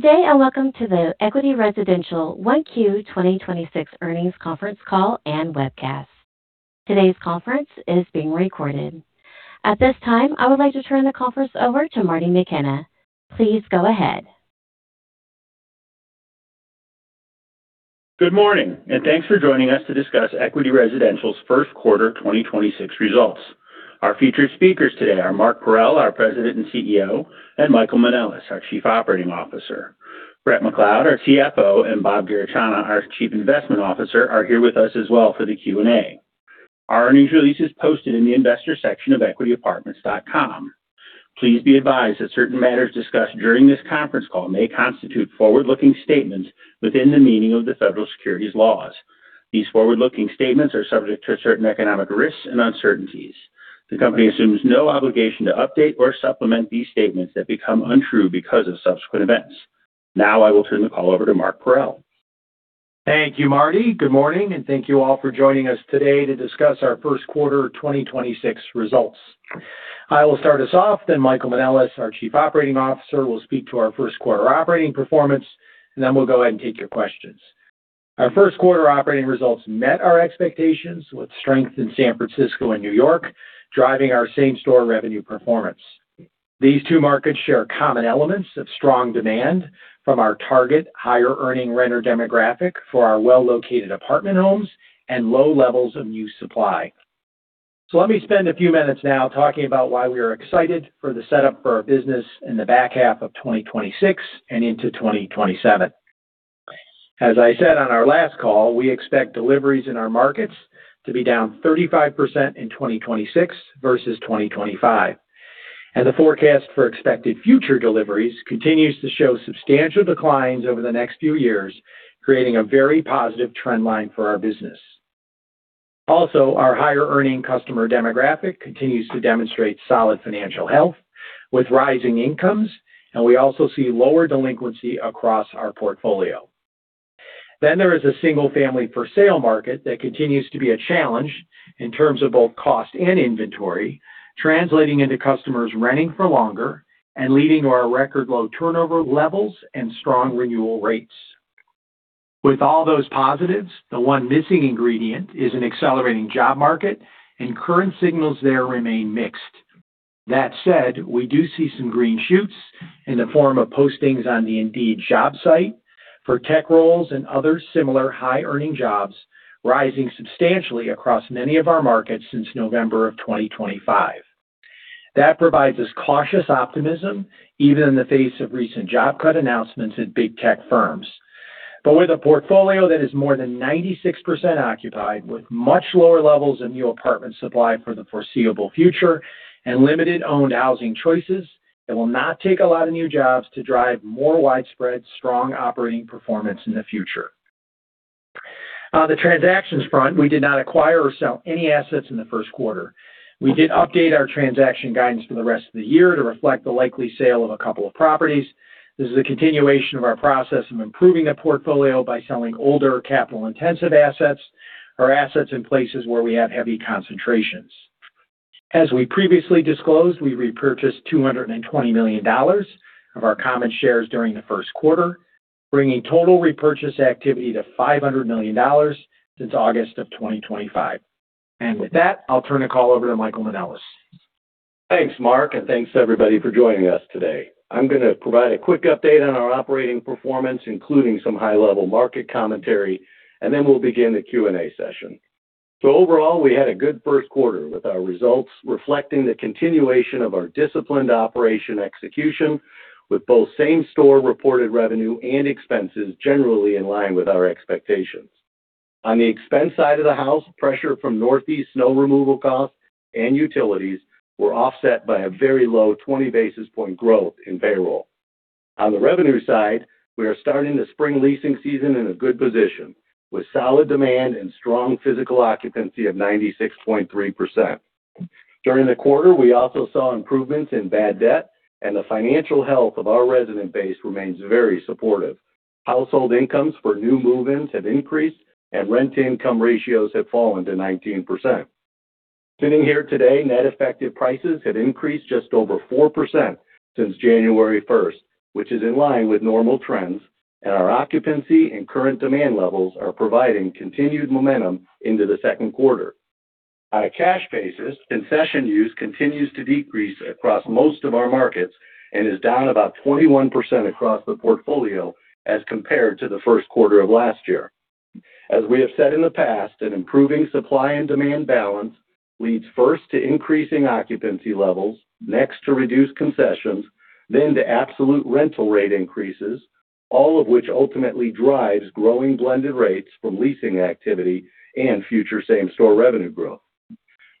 Today, I welcome to the Equity Residential 1Q 2026 earnings conference call and webcast. Today's conference is being recorded. At this time, I would like to turn the conference over to Marty McKenna. Please go ahead. Good morning. Thanks for joining us to discuss Equity Residential's first quarter 2026 results. Our featured speakers today are Mark Parrell, our President and CEO; and Michael Manelis, our Chief Operating Officer. Bret McLeod, our CFO, and Bob Garechana, our Chief Investment Officer, are here with us as well for the Q&A. Our earnings release is posted in the Investors section of equityapartments.com. Please be advised that certain matters discussed during this conference call may constitute forward-looking statements within the meaning of the federal securities laws. These forward-looking statements are subject to certain economic risks and uncertainties. The company assumes no obligation to update or supplement these statements that become untrue because of subsequent events. I will turn the call over to Mark Parrell. Thank you, Marty. Good morning, thank you all for joining us today to discuss our first quarter 2026 results. I will start us off, Michael Manelis, our Chief Operating Officer, will speak to our first quarter operating performance, we'll go ahead and take your questions. Our first quarter operating results met our expectations with strength in San Francisco and New York, driving our same-store revenue performance. These two markets share common elements of strong demand from our target higher earning renter demographic for our well-located apartment homes and low levels of new supply. Let me spend a few minutes now talking about why we are excited for the setup for our business in the back half of 2026 and into 2027. As I said on our last call, we expect deliveries in our markets to be down 35% in 2026 versus 2025. The forecast for expected future deliveries continues to show substantial declines over the next few years, creating a very positive trend line for our business. Also, our higher earning customer demographic continues to demonstrate solid financial health with rising incomes, and we also see lower delinquency across our portfolio. There is a single-family for sale market that continues to be a challenge in terms of both cost and inventory, translating into customers renting for longer and leading to our record low turnover levels and strong renewal rates. With all those positives, the one missing ingredient is an accelerating job market and current signals there remain mixed. That said, we do see some green shoots in the form of postings on the Indeed job site for tech roles and other similar high earning jobs rising substantially across many of our markets since November of 2025. That provides us cautious optimism even in the face of recent job cut announcements at big tech firms. With a portfolio that is more than 96% occupied, with much lower levels of new apartment supply for the foreseeable future and limited owned housing choices, it will not take a lot of new jobs to drive more widespread, strong operating performance in the future. On the transactions front, we did not acquire or sell any assets in the first quarter. We did update our transaction guidance for the rest of the year to reflect the likely sale of a couple of properties. This is a continuation of our process of improving the portfolio by selling older capital-intensive assets or assets in places where we have heavy concentrations. As we previously disclosed, we repurchased $220 million of our common shares during the first quarter, bringing total repurchase activity to $500 million since August of 2025. With that, I'll turn the call over to Michael Manelis. Thanks, Mark, thanks everybody for joining us today. I'm gonna provide a quick update on our operating performance, including some high-level market commentary, and then we'll begin the Q&A session. Overall, we had a good first quarter with our results reflecting the continuation of our disciplined operation execution with both same-store reported revenue and expenses generally in line with our expectations. On the expense side of the house, pressure from Northeast snow removal costs and utilities were offset by a very low 20 basis point growth in payroll. On the revenue side, we are starting the spring leasing season in a good position with solid demand and strong physical occupancy of 96.3%. During the quarter, we also saw improvements in bad debt and the financial health of our resident base remains very supportive. Household incomes for new move-ins have increased and rent-to-income ratios have fallen to 19%. Sitting here today, net effective prices have increased just over 4% since January 1st, which is in line with normal trends, and our occupancy and current demand levels are providing continued momentum into the second quarter. On a cash basis, concession use continues to decrease across most of our markets and is down about 21% across the portfolio as compared to the first quarter of last year. As we have said in the past, an improving supply and demand balance leads first to increasing occupancy levels, next to reduced concessions, then to absolute rental rate increases, all of which ultimately drives growing blended rates from leasing activity and future same-store revenue growth.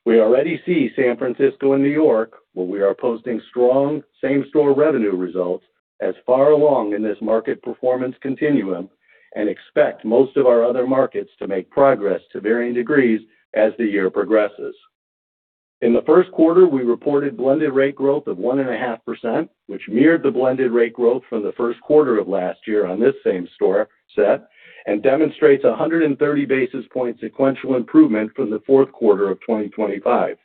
We already see San Francisco and New York, where we are posting strong same-store revenue results as far along in this market performance continuum and expect most of our other markets to make progress to varying degrees as the year progresses. In the first quarter, we reported blended rate growth of 1.5%, which mirrored the blended rate growth from the first quarter of last year on this same store set and demonstrates a 130 basis point sequential improvement from the fourth quarter of 2025.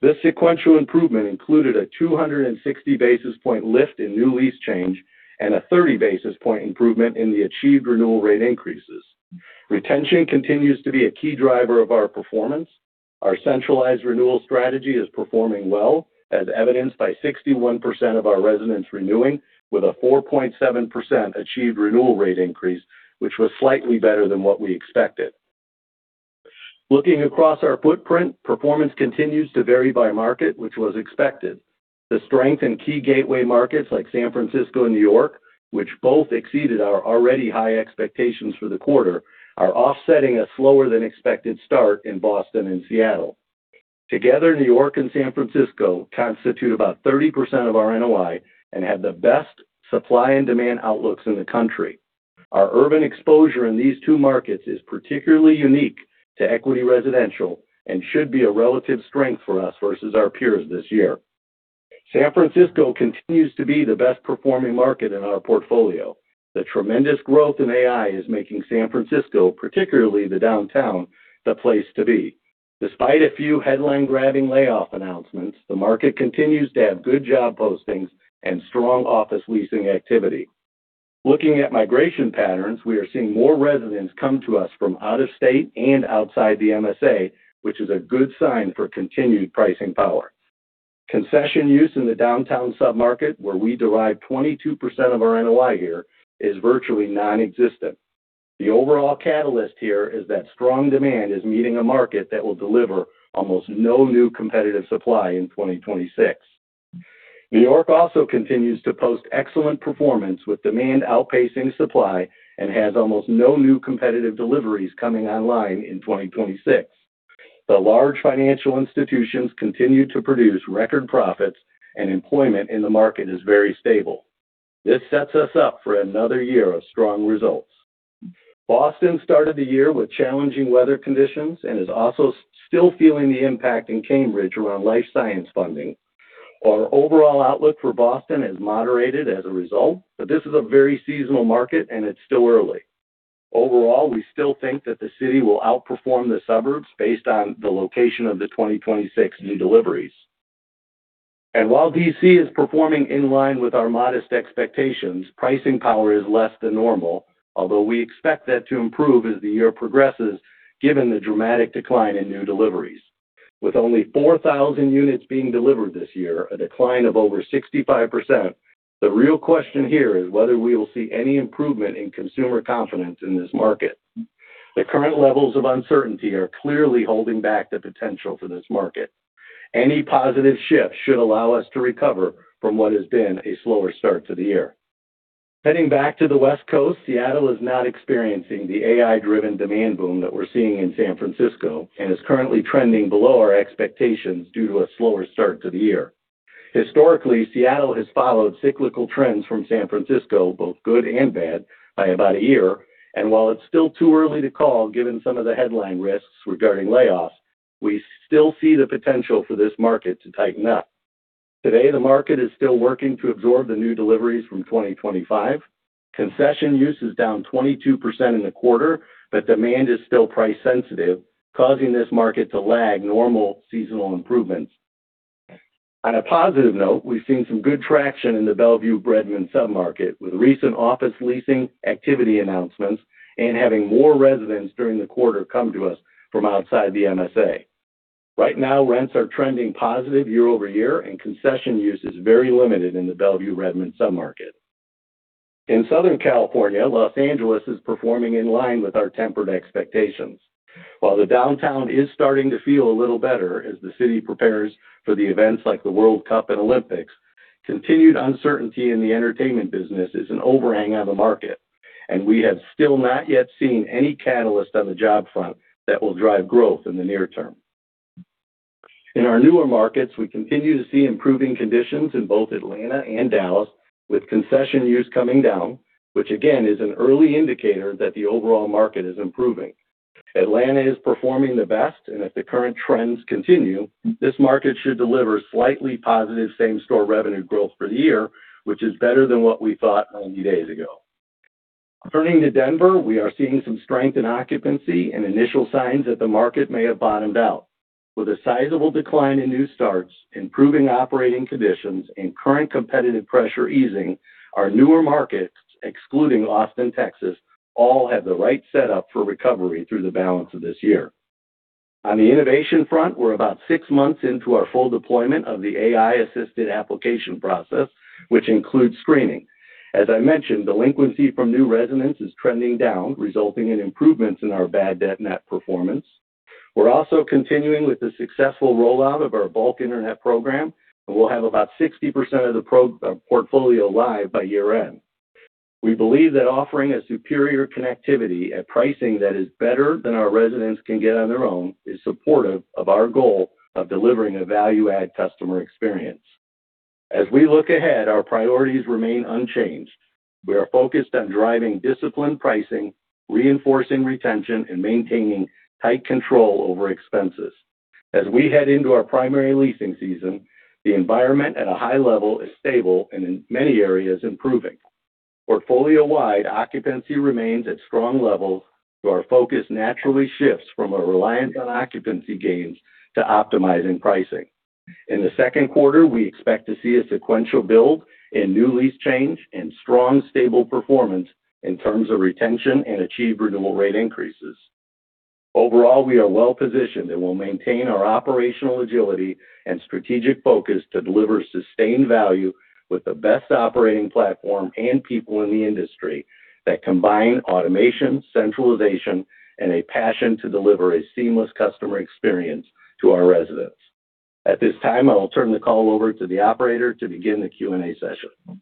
This sequential improvement included a 260 basis point lift in new lease change and a 30 basis point improvement in the achieved renewal rate increases. Retention continues to be a key driver of our performance. Our centralized renewal strategy is performing well, as evidenced by 61% of our residents renewing with a 4.7% achieved renewal rate increase, which was slightly better than what we expected. Looking across our footprint, performance continues to vary by market, which was expected. The strength in key gateway markets like San Francisco and New York, which both exceeded our already high expectations for the quarter, are offsetting a slower than expected start in Boston and Seattle. Together, New York and San Francisco constitute about 30% of our NOI and have the best supply and demand outlooks in the country. Our urban exposure in these two markets is particularly unique to Equity Residential and should be a relative strength for us versus our peers this year. San Francisco continues to be the best performing market in our portfolio. The tremendous growth in AI is making San Francisco, particularly the downtown, the place to be. Despite a few headline grabbing layoff announcements, the market continues to have good job postings and strong office leasing activity. Looking at migration patterns, we are seeing more residents come to us from out of state and outside the MSA, which is a good sign for continued pricing power. Concession use in the downtown sub-market, where we derive 22% of our NOI here, is virtually nonexistent. The overall catalyst here is that strong demand is meeting a market that will deliver almost no new competitive supply in 2026. New York also continues to post excellent performance with demand outpacing supply and has almost no new competitive deliveries coming online in 2026. The large financial institutions continue to produce record profits and employment in the market is very stable. This sets us up for another year of strong results. Boston started the year with challenging weather conditions and is also still feeling the impact in Cambridge around life science funding. Our overall outlook for Boston has moderated as a result, but this is a very seasonal market and it's still early. Overall, we still think that the city will outperform the suburbs based on the location of the 2026 new deliveries. While D.C. is performing in line with our modest expectations, pricing power is less than normal. Although we expect that to improve as the year progresses, given the dramatic decline in new deliveries. With only 4,000 units being delivered this year, a decline of over 65%, the real question here is whether we will see any improvement in consumer confidence in this market. The current levels of uncertainty are clearly holding back the potential for this market. Any positive shift should allow us to recover from what has been a slower start to the year. Heading back to the West Coast, Seattle is not experiencing the AI-driven demand boom that we're seeing in San Francisco and is currently trending below our expectations due to a slower start to the year. Historically, Seattle has followed cyclical trends from San Francisco, both good and bad, by about a year. While it's still too early to call, given some of the headline risks regarding layoffs, we still see the potential for this market to tighten up. Today, the market is still working to absorb the new deliveries from 2025. Concession use is down 22% in the quarter, but demand is still price sensitive, causing this market to lag normal seasonal improvements. On a positive note, we've seen some good traction in the Bellevue Redmond sub-market with recent office leasing activity announcements and having more residents during the quarter come to us from outside the MSA. Right now, rents are trending positive year-over-year, and concession use is very limited in the Bellevue Redmond sub-market. In Southern California, Los Angeles is performing in line with our tempered expectations. While the downtown is starting to feel a little better as the city prepares for the events like the World Cup and Olympics, continued uncertainty in the entertainment business is an overhang on the market, and we have still not yet seen any catalyst on the job front that will drive growth in the near term. In our newer markets, we continue to see improving conditions in both Atlanta and Dallas, with concession use coming down, which again, is an early indicator that the overall market is improving. If the current trends continue, this market should deliver slightly positive same-store revenue growth for the year, which is better than what we thought only days ago. Turning to Denver, we are seeing some strength in occupancy and initial signs that the market may have bottomed out. With a sizable decline in new starts, improving operating conditions, and current competitive pressure easing, our newer markets, excluding Austin, Texas, all have the right setup for recovery through the balance of this year. On the innovation front, we're about six months into our full deployment of the AI-assisted application process, which includes screening. As I mentioned, delinquency from new residents is trending down, resulting in improvements in our bad debt net performance. We're also continuing with the successful rollout of our bulk internet program, and we'll have about 60% of the portfolio live by year-end. We believe that offering a superior connectivity at pricing that is better than our residents can get on their own is supportive of our goal of delivering a value-add customer experience. As we look ahead, our priorities remain unchanged. We are focused on driving disciplined pricing, reinforcing retention, and maintaining tight control over expenses. As we head into our primary leasing season, the environment at a high level is stable and in many areas improving. Portfolio-wide occupancy remains at strong levels, our focus naturally shifts from a reliance on occupancy gains to optimizing pricing. In the second quarter, we expect to see a sequential build in new lease change and strong, stable performance in terms of retention and achieve renewable rate increases. Overall, we are well-positioned and will maintain our operational agility and strategic focus to deliver sustained value with the best operating platform and people in the industry that combine automation, centralization, and a passion to deliver a seamless customer experience to our residents. At this time, I will turn the call over to the operator to begin the Q&A session.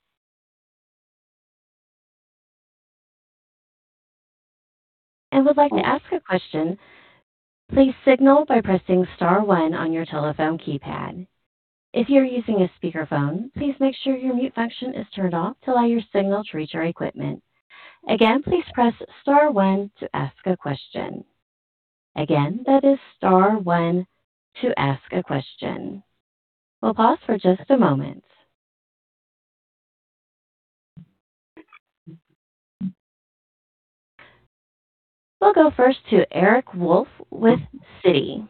Would like to ask a question, please signal by pressing star one on your telephone keypad. If you're using a speakerphone, please make sure your mute function is turned off to allow your signal to reach our equipment. Again, please press star one to ask a question. Again, that is star one to ask a question. We'll pause for just a moment. We'll go first to Eric Wolfe with Citi.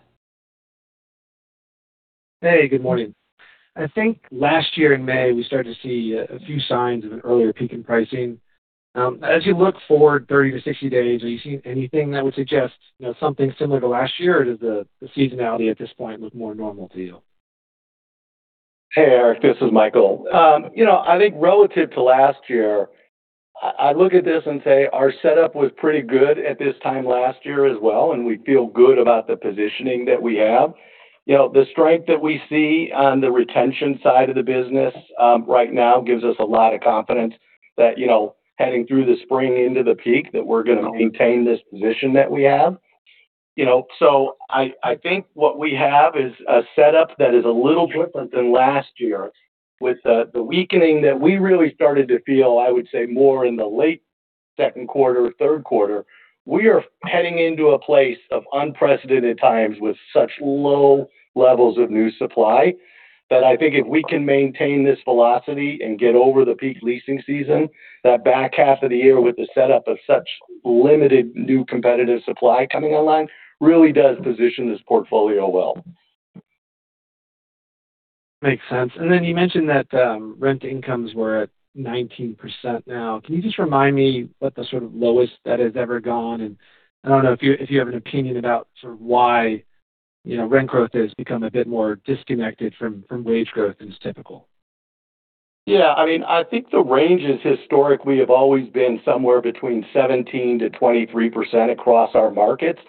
Hey, good morning. I think last year in May, we started to see a few signs of an earlier peak in pricing. As you look forward 30 to 60 days, are you seeing anything that would suggest, you know, something similar to last year, or does the seasonality at this point look more normal to you? Hey, Eric, this is Michael. You know, I think relative to last year, I look at this and say our setup was pretty good at this time last year as well, and we feel good about the positioning that we have. You know, the strength that we see on the retention side of the business, right now gives us a lot of confidence that, you know, heading through the spring into the peak, that we're gonna maintain this position that we have. You know, I think what we have is a setup that is a little different than last year with the weakening that we really started to feel, I would say, more in the late second quarter, third quarter. We are heading into a place of unprecedented times with such low levels of new supply that I think if we can maintain this velocity and get over the peak leasing season, that back half of the year with the setup of such limited new competitive supply coming online really does position this portfolio well. Makes sense. Then you mentioned that rent incomes were at 19% now. Can you just remind me what the sort of lowest that has ever gone? I don't know if you, if you have an opinion about sort of why, you know, rent growth has become a bit more disconnected from wage growth than is typical. Yeah, I mean, I think the range is historically have always been somewhere between 17%-23% across our markets.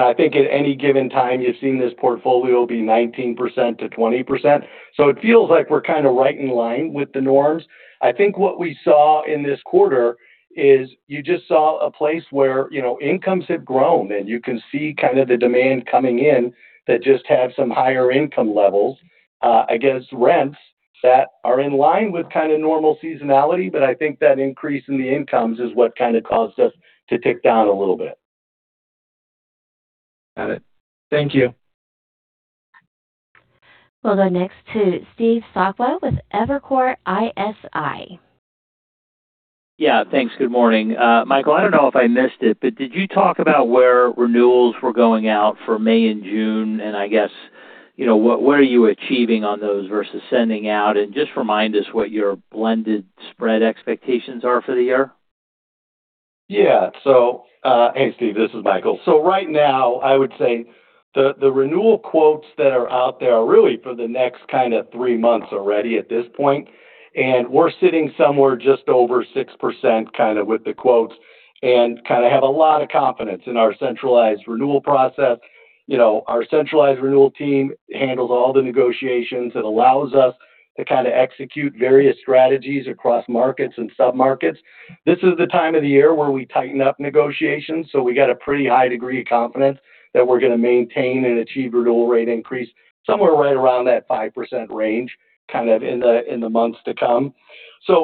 I think at any given time, you've seen this portfolio be 19%-20%. It feels like we're kind of right in line with the norms. I think what we saw in this quarter is you just saw a place where, you know, incomes have grown, and you can see kind of the demand coming in that just have some higher income levels, against rents that are in line with kind of normal seasonality. I think that increase in the incomes is what kind of caused us to tick down a little bit. Got it. Thank you. We'll go next to Steve Sakwa with Evercore ISI. Yeah. Thanks. Good morning. Michael, I don't know if I missed it, but did you talk about where renewals were going out for May and June? I guess, you know, what are you achieving on those versus sending out? Just remind us what your blended spread expectations are for the year. Yeah. Hey, Steve, this is Michael. Right now, I would say the renewal quotes that are out there are really for the next three months already at this point, and we're sitting somewhere just over 6% kind of with the quotes and kind of have a lot of confidence in our centralized renewal process. You know, our centralized renewal team handles all the negotiations. It allows us to kind of execute various strategies across markets and sub-markets. This is the time of the year where we tighten up negotiations. We got a pretty high degree of confidence that we're gonna maintain and achieve renewal rate increase somewhere right around that 5% range, kind of in the months to come.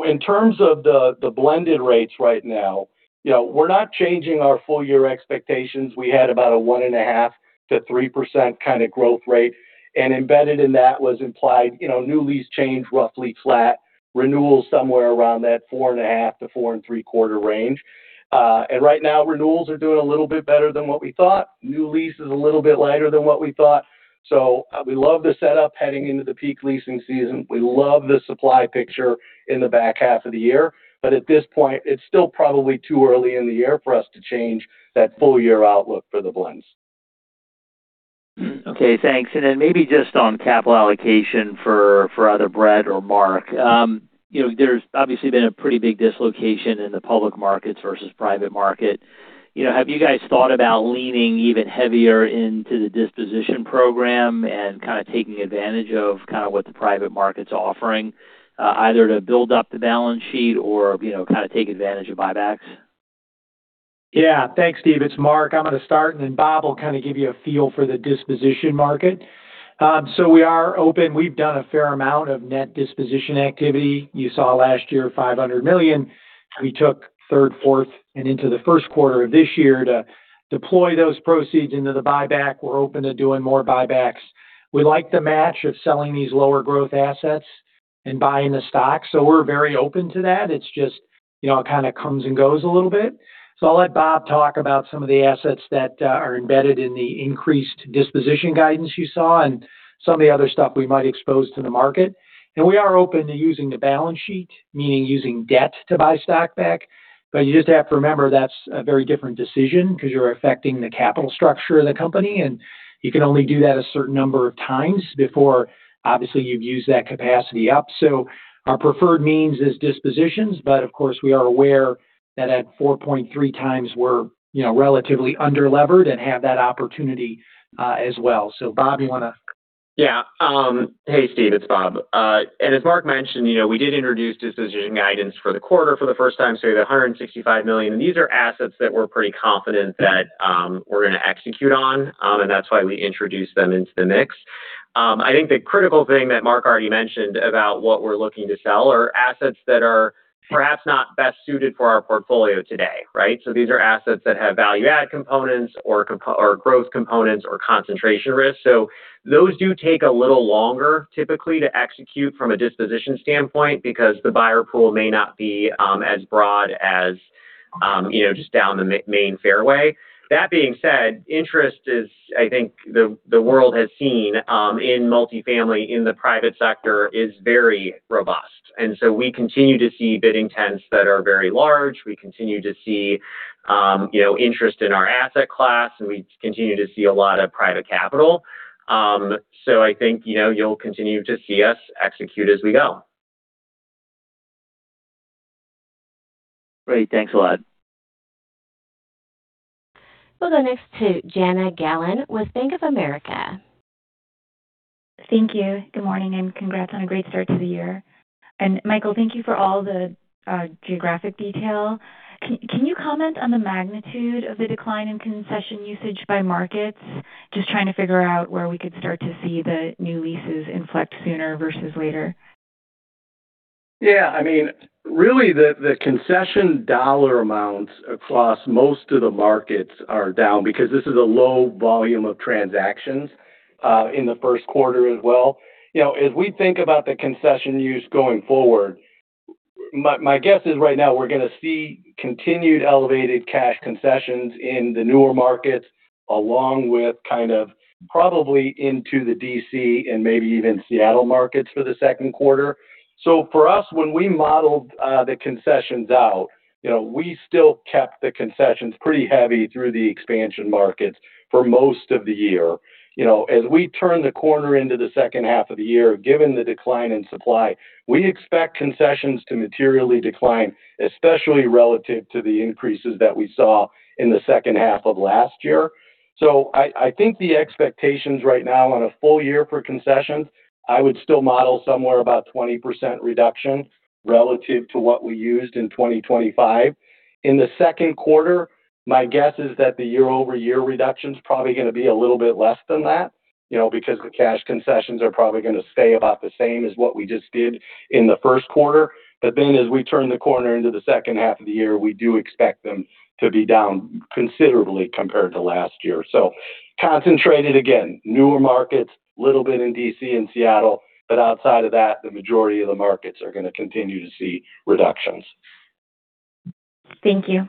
In terms of the blended rates right now, you know, we're not changing our full-year expectations. We had about a 1.5%-3% kind of growth rate. Embedded in that was implied, you know, new lease change roughly flat, renewals somewhere around that 4.5%-4.75% range. Right now, renewals are doing a little bit better than what we thought. New lease is a little bit lighter than what we thought. We love the setup heading into the peak leasing season. We love the supply picture in the back half of the year. At this point it's still probably too early in the year for us to change that full year outlook for the blends. Okay, thanks. Maybe just on capital allocation for either Bret or Mark. You know, there's obviously been a pretty big dislocation in the public markets versus private market. You know, have you guys thought about leaning even heavier into the disposition program and kind of taking advantage of kind of what the private market's offering, either to build up the balance sheet or, you know, kind of take advantage of buybacks? Thanks, Steve. It's Mark. I'm gonna start, and then Bob will kind of give you a feel for the disposition market. We are open. We've done a fair amount of net disposition activity. You saw last year, $500 million. We took third, fourth, and into the first quarter of this year to deploy those proceeds into the buyback. We're open to doing more buybacks. We like the match of selling these lower growth assets and buying the stock. We're very open to that. It's just, you know, it kind of comes and goes a little bit. I'll let Bob talk about some of the assets that are embedded in the increased disposition guidance you saw and some of the other stuff we might expose to the market. We are open to using the balance sheet, meaning using debt to buy stock back. You just have to remember that's a very different decision because you're affecting the capital structure of the company, and you can only do that a certain number of times before obviously you've used that capacity up. Our preferred means is dispositions. Of course, we are aware that at 4.3x we're, you know, relatively under-levered and have that opportunity as well. Bob. Yeah. Hey, Steve, it's Bob. As Mark Parrell mentioned, you know, we did introduce disposition guidance for the quarter for the first time, so you have $165 million. These are assets that we're pretty confident that we're gonna execute on, and that's why we introduced them into the mix. I think the critical thing that Mark Parrell already mentioned about what we're looking to sell are assets that are perhaps not best suited for our portfolio today, right? These are assets that have value add components or growth components or concentration risk. Those do take a little longer, typically, to execute from a disposition standpoint because the buyer pool may not be as broad as, you know, just down the main fairway. That being said, interest is I think the world has seen in multifamily, in the private sector, is very robust. We continue to see bidding trends that are very large. We continue to see, you know, interest in our asset class, and we continue to see a lot of private capital. I think, you know, you'll continue to see us execute as we go. Great. Thanks a lot. We'll go next to Jana Galan with Bank of America. Thank you. Good morning, and congrats on a great start to the year. Michael, thank you for all the geographic detail. Can you comment on the magnitude of the decline in concession usage by markets? Just trying to figure out where we could start to see the new leases inflect sooner versus later. Yeah, I mean, really the concession dollar amounts across most of the markets are down because this is a low volume of transactions in the first quarter as well. You know, as we think about the concession use going forward, my guess is right now we're gonna see continued elevated cash concessions in the newer markets, along with kind of probably into the D.C. and maybe even Seattle markets for the second quarter. For us, when we modeled the concessions out, you know, we still kept the concessions pretty heavy through the expansion markets for most of the year. You know, as we turn the corner into the second half of the year, given the decline in supply, we expect concessions to materially decline, especially relative to the increases that we saw in the second half of last year. I think the expectations right now on a full year for concessions, I would still model somewhere about 20% reduction relative to what we used in 2025. In the second quarter, my guess is that the year-over-year reduction is probably gonna be a little bit less than that, you know, because the cash concessions are probably gonna stay about the same as what we just did in the first quarter. As we turn the corner into the second half of the year, we do expect them to be down considerably compared to last year. Concentrated, again, newer markets, little bit in D.C. and Seattle, but outside of that, the majority of the markets are gonna continue to see reductions. Thank you.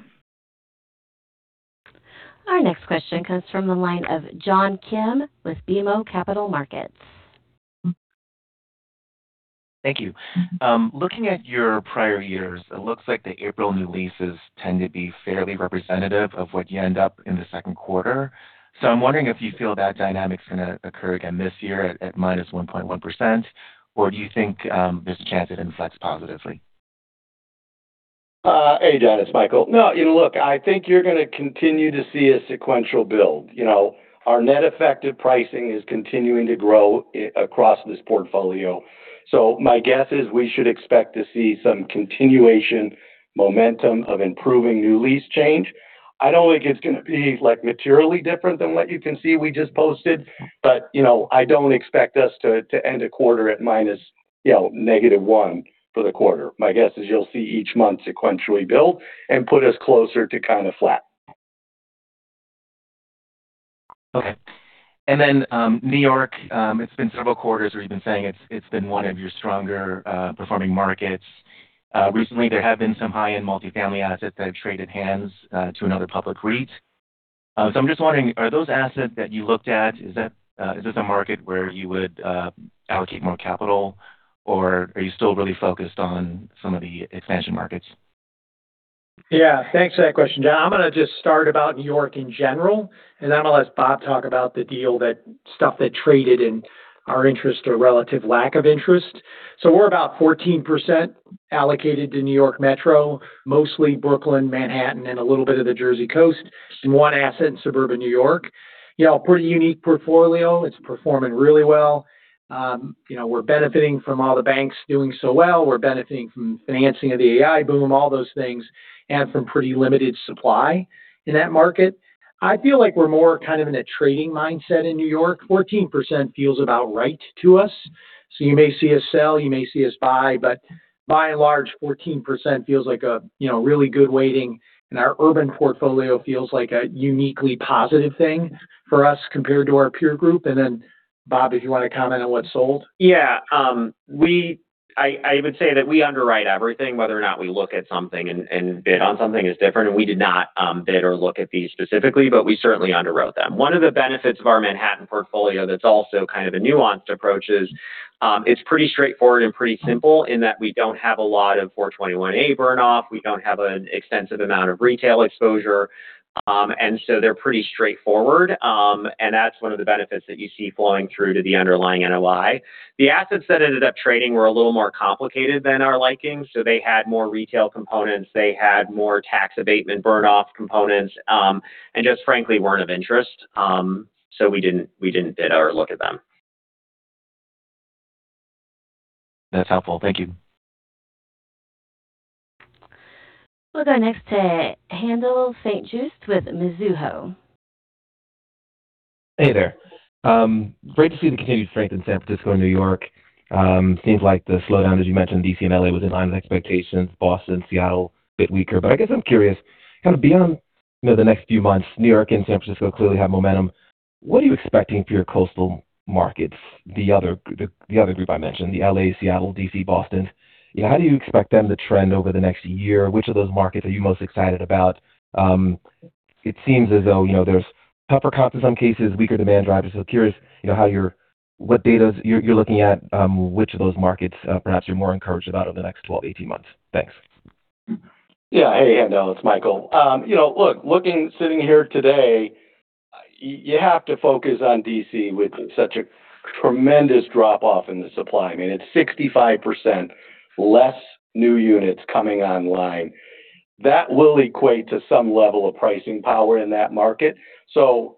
Our next question comes from the line of John Kim with BMO Capital Markets. Thank you. Looking at your prior years, it looks like the April new leases tend to be fairly representative of what you end up in the second quarter. I'm wondering if you feel that dynamic's gonna occur again this year at -1.1%, or do you think there's a chance it inflects positively? Hey, John, it's Michael. No, you know, look, I think you're gonna continue to see a sequential build. You know, our net effective pricing is continuing to grow across this portfolio. My guess is we should expect to see some continuation momentum of improving new lease change. I don't think it's gonna be, like, materially different than what you can see we just posted, you know, I don't expect us to end a quarter at minus, you know, negative one for the quarter. My guess is you'll see each month sequentially build and put us closer to counter flat. Okay. New York, it's been several quarters where you've been saying it's been one of your stronger performing markets. Recently, there have been some high-end multifamily assets that have traded hands to another public REIT. I'm just wondering, are those assets that you looked at, is this a market where you would allocate more capital, or are you still really focused on some of the expansion markets? Yeah. Thanks for that question, John. I'm gonna just start about New York in general, and then I'm gonna let Bob talk about the deal that stuff that traded and our interest or relative lack of interest. We're about 14% allocated to New York Metro, mostly Brooklyn, Manhattan, and a little bit of the Jersey Coast, and one asset in suburban New York. You know, pretty unique portfolio. It's performing really well. You know, we're benefiting from all the banks doing so well. We're benefiting from financing of the AI boom, all those things, and from pretty limited supply in that market. I feel like we're more kind of in a trading mindset in New York. 14% feels about right to us. You may see us sell, you may see us buy, but by and large, 14% feels like a, you know, really good weighting, and our urban portfolio feels like a uniquely positive thing for us compared to our peer group. Bob, if you wanna comment on what sold. Yeah. I would say that we underwrite everything. Whether or not we look at something and bid on something is different. We did not bid or look at these specifically, but we certainly underwrote them. One of the benefits of our Manhattan portfolio that's also kind of a nuanced approach is it's pretty straightforward and pretty simple in that we don't have a lot of 421-a burn off. We don't have an extensive amount of retail exposure. They're pretty straightforward. That's one of the benefits that you see flowing through to the underlying NOI. The assets that ended up trading were a little more complicated than our liking, they had more retail components, they had more tax abatement burn off components, just frankly weren't of interest. We didn't bid or look at them. That's helpful. Thank you. We'll go next to Haendel St. Juste with Mizuho. Hey there. Great to see the continued strength in San Francisco and New York. Seems like the slowdown, as you mentioned, D.C. and L.A. was in line with expectations. Boston, Seattle, a bit weaker. I guess I'm curious, kind of beyond, you know, the next few months, New York and San Francisco clearly have momentum. What are you expecting for your coastal markets, the other group I mentioned, the L.A., Seattle, D.C., Boston? You know, how do you expect them to trend over the next year? Which of those markets are you most excited about? It seems as though, you know, there's tougher comps in some cases, weaker demand drivers. Curious, you know, what data's you're looking at, which of those markets perhaps you're more encouraged about over the next 12 to 18 months. Thanks. Yeah. Hey, Haendel, it's Michael. You know, sitting here today, you have to focus on D.C. with such a tremendous drop-off in the supply. I mean, it's 65% less new units coming online. That will equate to some level of pricing power in that market.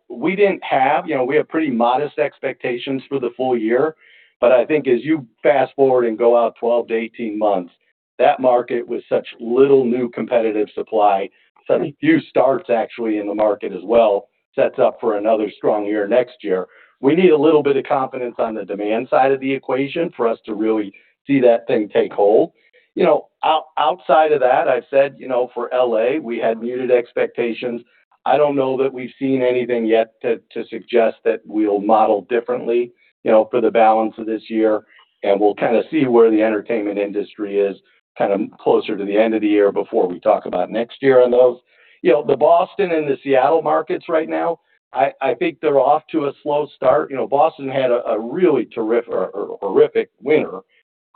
We didn't have. You know, we have pretty modest expectations for the full year. I think as you fast-forward and go out 12-18 months, that market with such little new competitive supply, so few starts actually in the market as well, sets up for another strong year next year. We need a little bit of confidence on the demand side of the equation for us to really see that thing take hold. You know, outside of that, I've said, you know, for L.A., we had muted expectations. I don't know that we've seen anything yet to suggest that we'll model differently, you know, for the balance of this year. We'll kind of see where the entertainment industry is kind of closer to the end of the year before we talk about next year on those. You know, the Boston and the Seattle markets right now, I think they're off to a slow start. You know, Boston had a really horrific winter.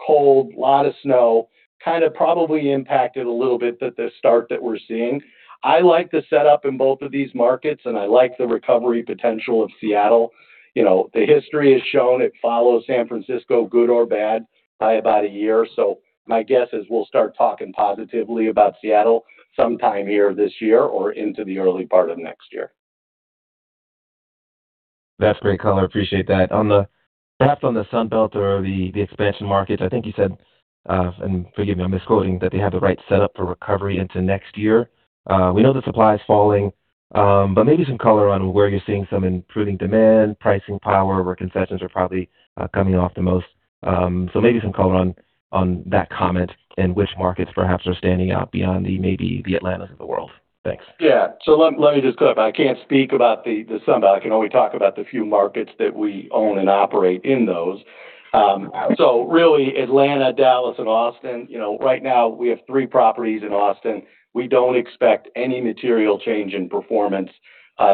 Cold, lot of snow, kind of probably impacted a little bit that the start that we're seeing. I like the setup in both of these markets. I like the recovery potential of Seattle. You know, the history has shown it follows San Francisco, good or bad, by about one year. My guess is we'll start talking positively about Seattle sometime here this year or into the early part of next year. That's great color. Appreciate that. Perhaps on the Sun Belt or the expansion markets, I think you said, and forgive me, I'm misquoting, that they have the right setup for recovery into next year. We know the supply is falling, maybe some color on where you're seeing some improving demand, pricing power, where concessions are probably coming off the most. Maybe some color on that comment and which markets perhaps are standing out beyond the maybe the Atlantas of the world. Thanks. Yeah. Let me just clarify. I can't speak about the Sun Belt. I can only talk about the few markets that we own and operate in those. Really, Atlanta, Dallas, and Austin. You know, right now we have three properties in Austin. We don't expect any material change in performance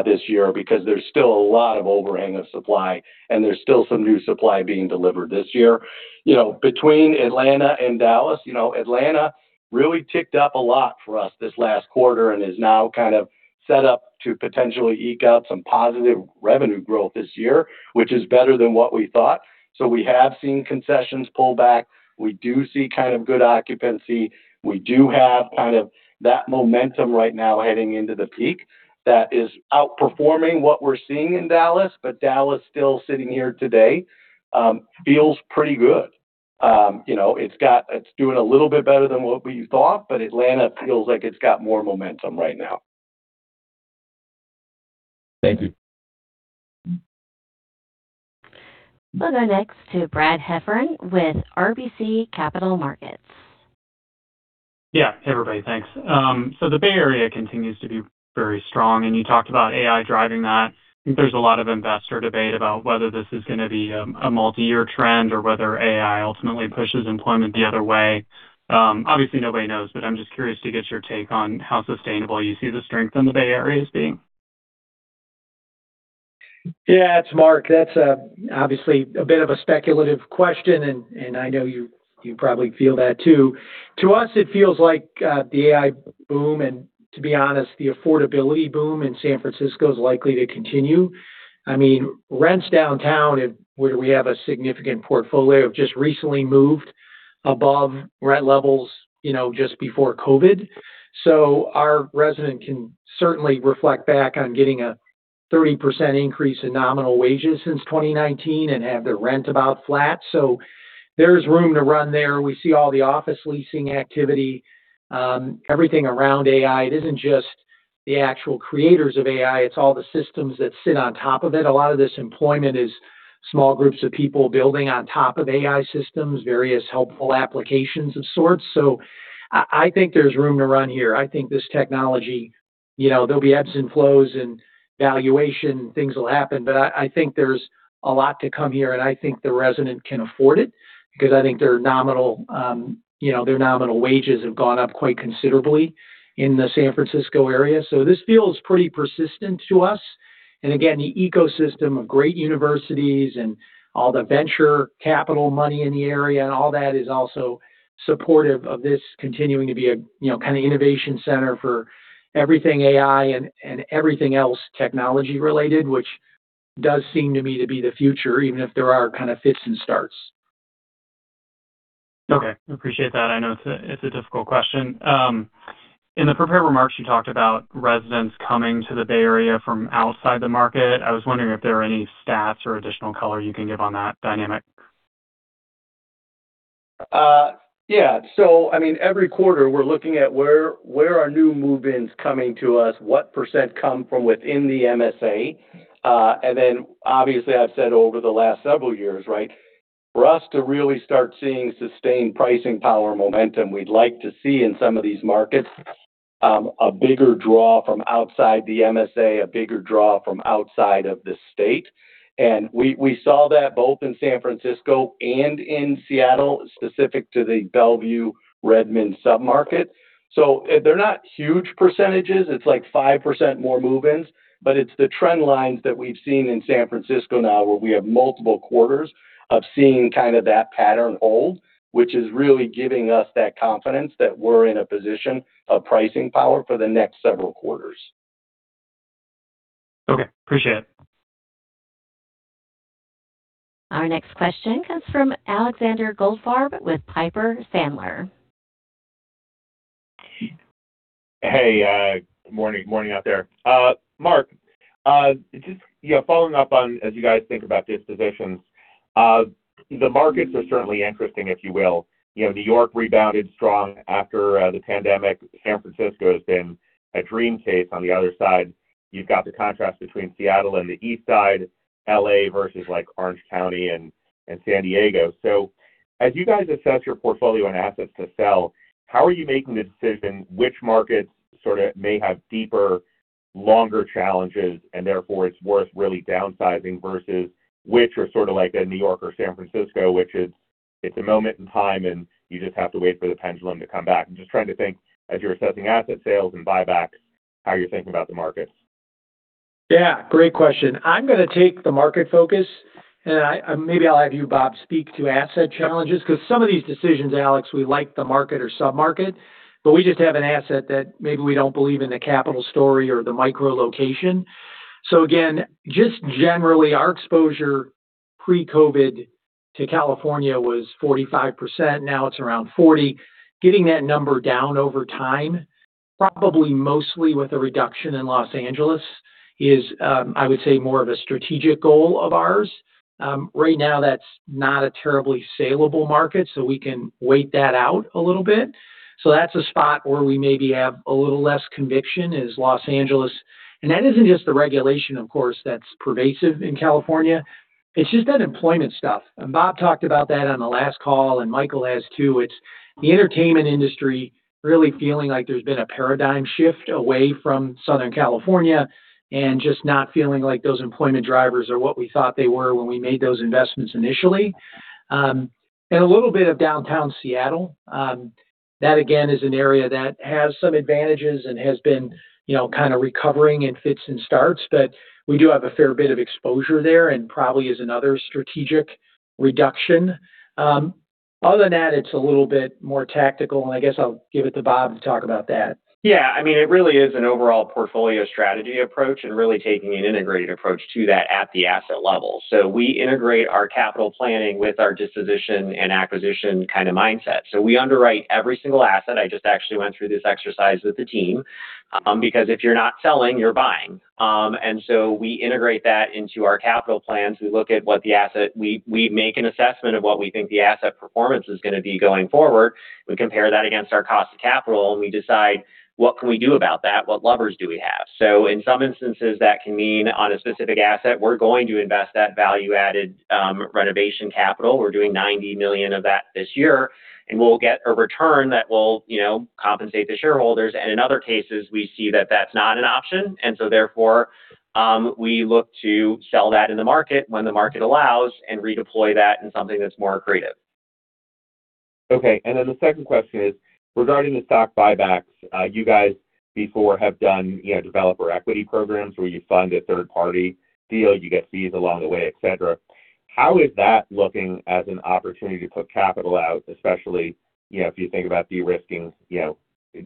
this year because there's still a lot of overhang of supply, and there's still some new supply being delivered this year. You know, between Atlanta and Dallas, you know, Atlanta really ticked up a lot for us this last quarter and is now kind of set up to potentially eke out some positive revenue growth this year, which is better than what we thought. We have seen concessions pull back. We do see kind of good occupancy. We do have kind of that momentum right now heading into the peak that is outperforming what we're seeing in Dallas. Dallas still sitting here today, feels pretty good. You know, it's doing a little bit better than what we thought. Atlanta feels like it's got more momentum right now. Thank you. We'll go next to Brad Heffern with RBC Capital Markets. Yeah. Hey, everybody. Thanks. The Bay Area continues to be very strong, and you talked about AI driving that. There's a lot of investor debate about whether this is gonna be a multi-year trend or whether AI ultimately pushes employment the other way. Obviously nobody knows, I'm just curious to get your take on how sustainable you see the strength in the Bay Area as being. Yeah. It's Mark. That's obviously a bit of a speculative question, and I know you probably feel that too. To us, it feels like the AI boom and, to be honest, the affordability boom in San Francisco is likely to continue. I mean, rents downtown, where we have a significant portfolio, have just recently moved above rent levels, you know, just before COVID. Our resident can certainly reflect back on getting a 30% increase in nominal wages since 2019 and have their rent about flat. There's room to run there. We see all the office leasing activity, everything around AI. It isn't just The actual creators of AI, it's all the systems that sit on top of it. A lot of this employment is small groups of people building on top of AI systems, various helpful applications of sorts. I think there's room to run here. I think this technology, you know, there'll be ebbs and flows in valuation, and things will happen, but I think there's a lot to come here, and I think the resident can afford it because I think their nominal, you know, their nominal wages have gone up quite considerably in the San Francisco area. This feels pretty persistent to us. Again, the ecosystem of great universities and all the venture capital money in the area and all that is also supportive of this continuing to be a, you know, kind of innovation center for everything AI and everything else technology-related, which does seem to me to be the future, even if there are kind of fits and starts. Okay. Appreciate that. I know it's a, it's a difficult question. In the prepared remarks, you talked about residents coming to the Bay Area from outside the market. I was wondering if there are any stats or additional color you can give on that dynamic. Yeah. I mean, every quarter, we're looking at where are new move-ins coming to us, what percent come from within the MSA. And then obviously, I've said over the last several years, right? For us to really start seeing sustained pricing power momentum, we'd like to see in some of these markets, a bigger draw from outside the MSA, a bigger draw from outside of the state. We saw that both in San Francisco and in Seattle, specific to the Bellevue Redmond submarket. They're not huge percentages. It's like 5% more move-ins, but it's the trend lines that we've seen in San Francisco now where we have multiple quarters of seeing kind of that pattern hold, which is really giving us that confidence that we're in a position of pricing power for the next several quarters. Okay. Appreciate it. Our next question comes from Alexander Goldfarb with Piper Sandler. Hey, morning out there. Mark, you know, following up on as you guys think about dispositions. The markets are certainly interesting, if you will. You know, New York rebounded strong after the pandemic. San Francisco has been a dream case on the other side. You've got the contrast between Seattle and the East Side, L.A. versus, like, Orange County and San Diego. As you guys assess your portfolio and assets to sell, how are you making the decision which markets sort of may have deeper, longer challenges, and therefore it's worth really downsizing versus which are sort of like a New York or San Francisco, which is, it's a moment in time, and you just have to wait for the pendulum to come back. I'm just trying to think as you're assessing asset sales and buybacks, how you're thinking about the markets. Yeah, great question. I'm going to take the market focus, and maybe I'll have you, Bob, speak to asset challenges, 'cause some of these decisions, Alex, we like the market or submarket, but we just have an asset that maybe we don't believe in the capital story or the micro location. Again, just generally, our exposure pre-COVID to California was 45%. Now it's around 40. Getting that number down over time, probably mostly with a reduction in Los Angeles, is, I would say more of a strategic goal of ours. Right now, that's not a terribly salable market, we can wait that out a little bit. That's a spot where we maybe have a little less conviction is Los Angeles. That isn't just the regulation, of course, that's pervasive in California. It's just that employment stuff. Bob talked about that on the last call, and Michael has too. It's the entertainment industry really feeling like there's been a paradigm shift away from Southern California and just not feeling like those employment drivers are what we thought they were when we made those investments initially. A little bit of downtown Seattle. That again is an area that has some advantages and has been, you know, kind of recovering in fits and starts. We do have a fair bit of exposure there and probably is another strategic reduction. Other than that, it's a little bit more tactical, and I guess I'll give it to Bob to talk about that. Yeah. I mean, it really is an overall portfolio strategy approach and really taking an integrated approach to that at the asset level. We integrate our capital planning with our disposition and acquisition kind of mindset. We underwrite every single asset. I just actually went through this exercise with the team. Because if you're not selling, you're buying. We integrate that into our capital plans. We make an assessment of what we think the asset performance is gonna be going forward. We compare that against our cost of capital, we decide what can we do about that? What levers do we have? In some instances, that can mean on a specific asset, we're going to invest that value-added renovation capital. We're doing $90 million of that this year, and we'll get a return that will, you know, compensate the shareholders. In other cases, we see that that's not an option. Therefore, we look to sell that in the market when the market allows and redeploy that in something that's more accretive. Okay. The second question is regarding the stock buybacks. You guys before have done, you know, developer equity programs where you fund a third party deal, you get fees along the way, et cetera. How is that looking as an opportunity to put capital out, especially, you know, if you think about de-risking, you know,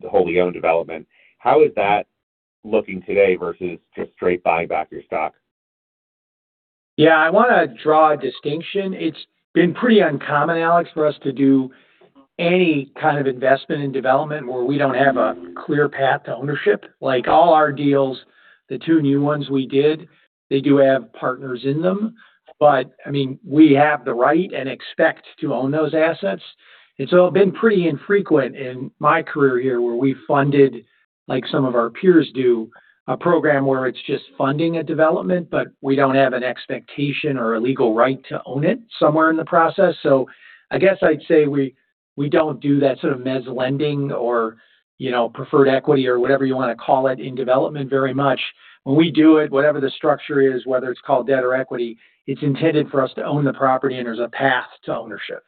wholly owned development, how is that looking today versus just straight buying back your stock? Yeah. I wanna draw a distinction. It's been pretty uncommon, Alex, for us to do any kind of investment in development where we don't have a clear path to ownership. Like, the two new ones we did, they do have partners in them. I mean, we have the right and expect to own those assets. It's all been pretty infrequent in my career here where we funded, like some of our peers do, a program where it's just funding a development, but we don't have an expectation or a legal right to own it somewhere in the process. I guess I'd say we don't do that sort of mezz lending or, you know, preferred equity or whatever you wanna call it in development very much. When we do it, whatever the structure is, whether it's called debt or equity, it's intended for us to own the property and there's a path to ownership.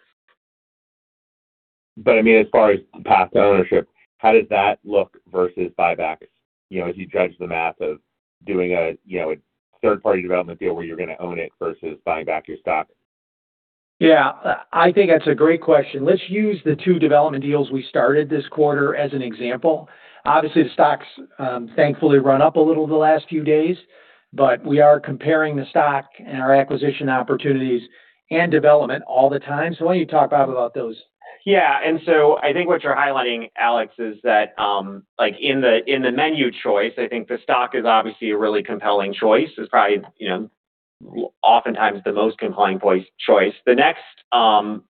I mean, as far as path to ownership, how does that look versus buyback? You know, as you judge the math of doing a, you know, a third-party development deal where you're gonna own it versus buying back your stock. Yeah. I think that's a great question. Let's use the two development deals we started this quarter as an example. Obviously, the stock's thankfully run up a little the last few days. We are comparing the stock and our acquisition opportunities and development all the time. Why don't you talk, Bob, about those? I think what you're highlighting, Alex, is that like in the, in the menu choice, I think the stock is obviously a really compelling choice. It's probably, you know, oftentimes the most compelling choice. The next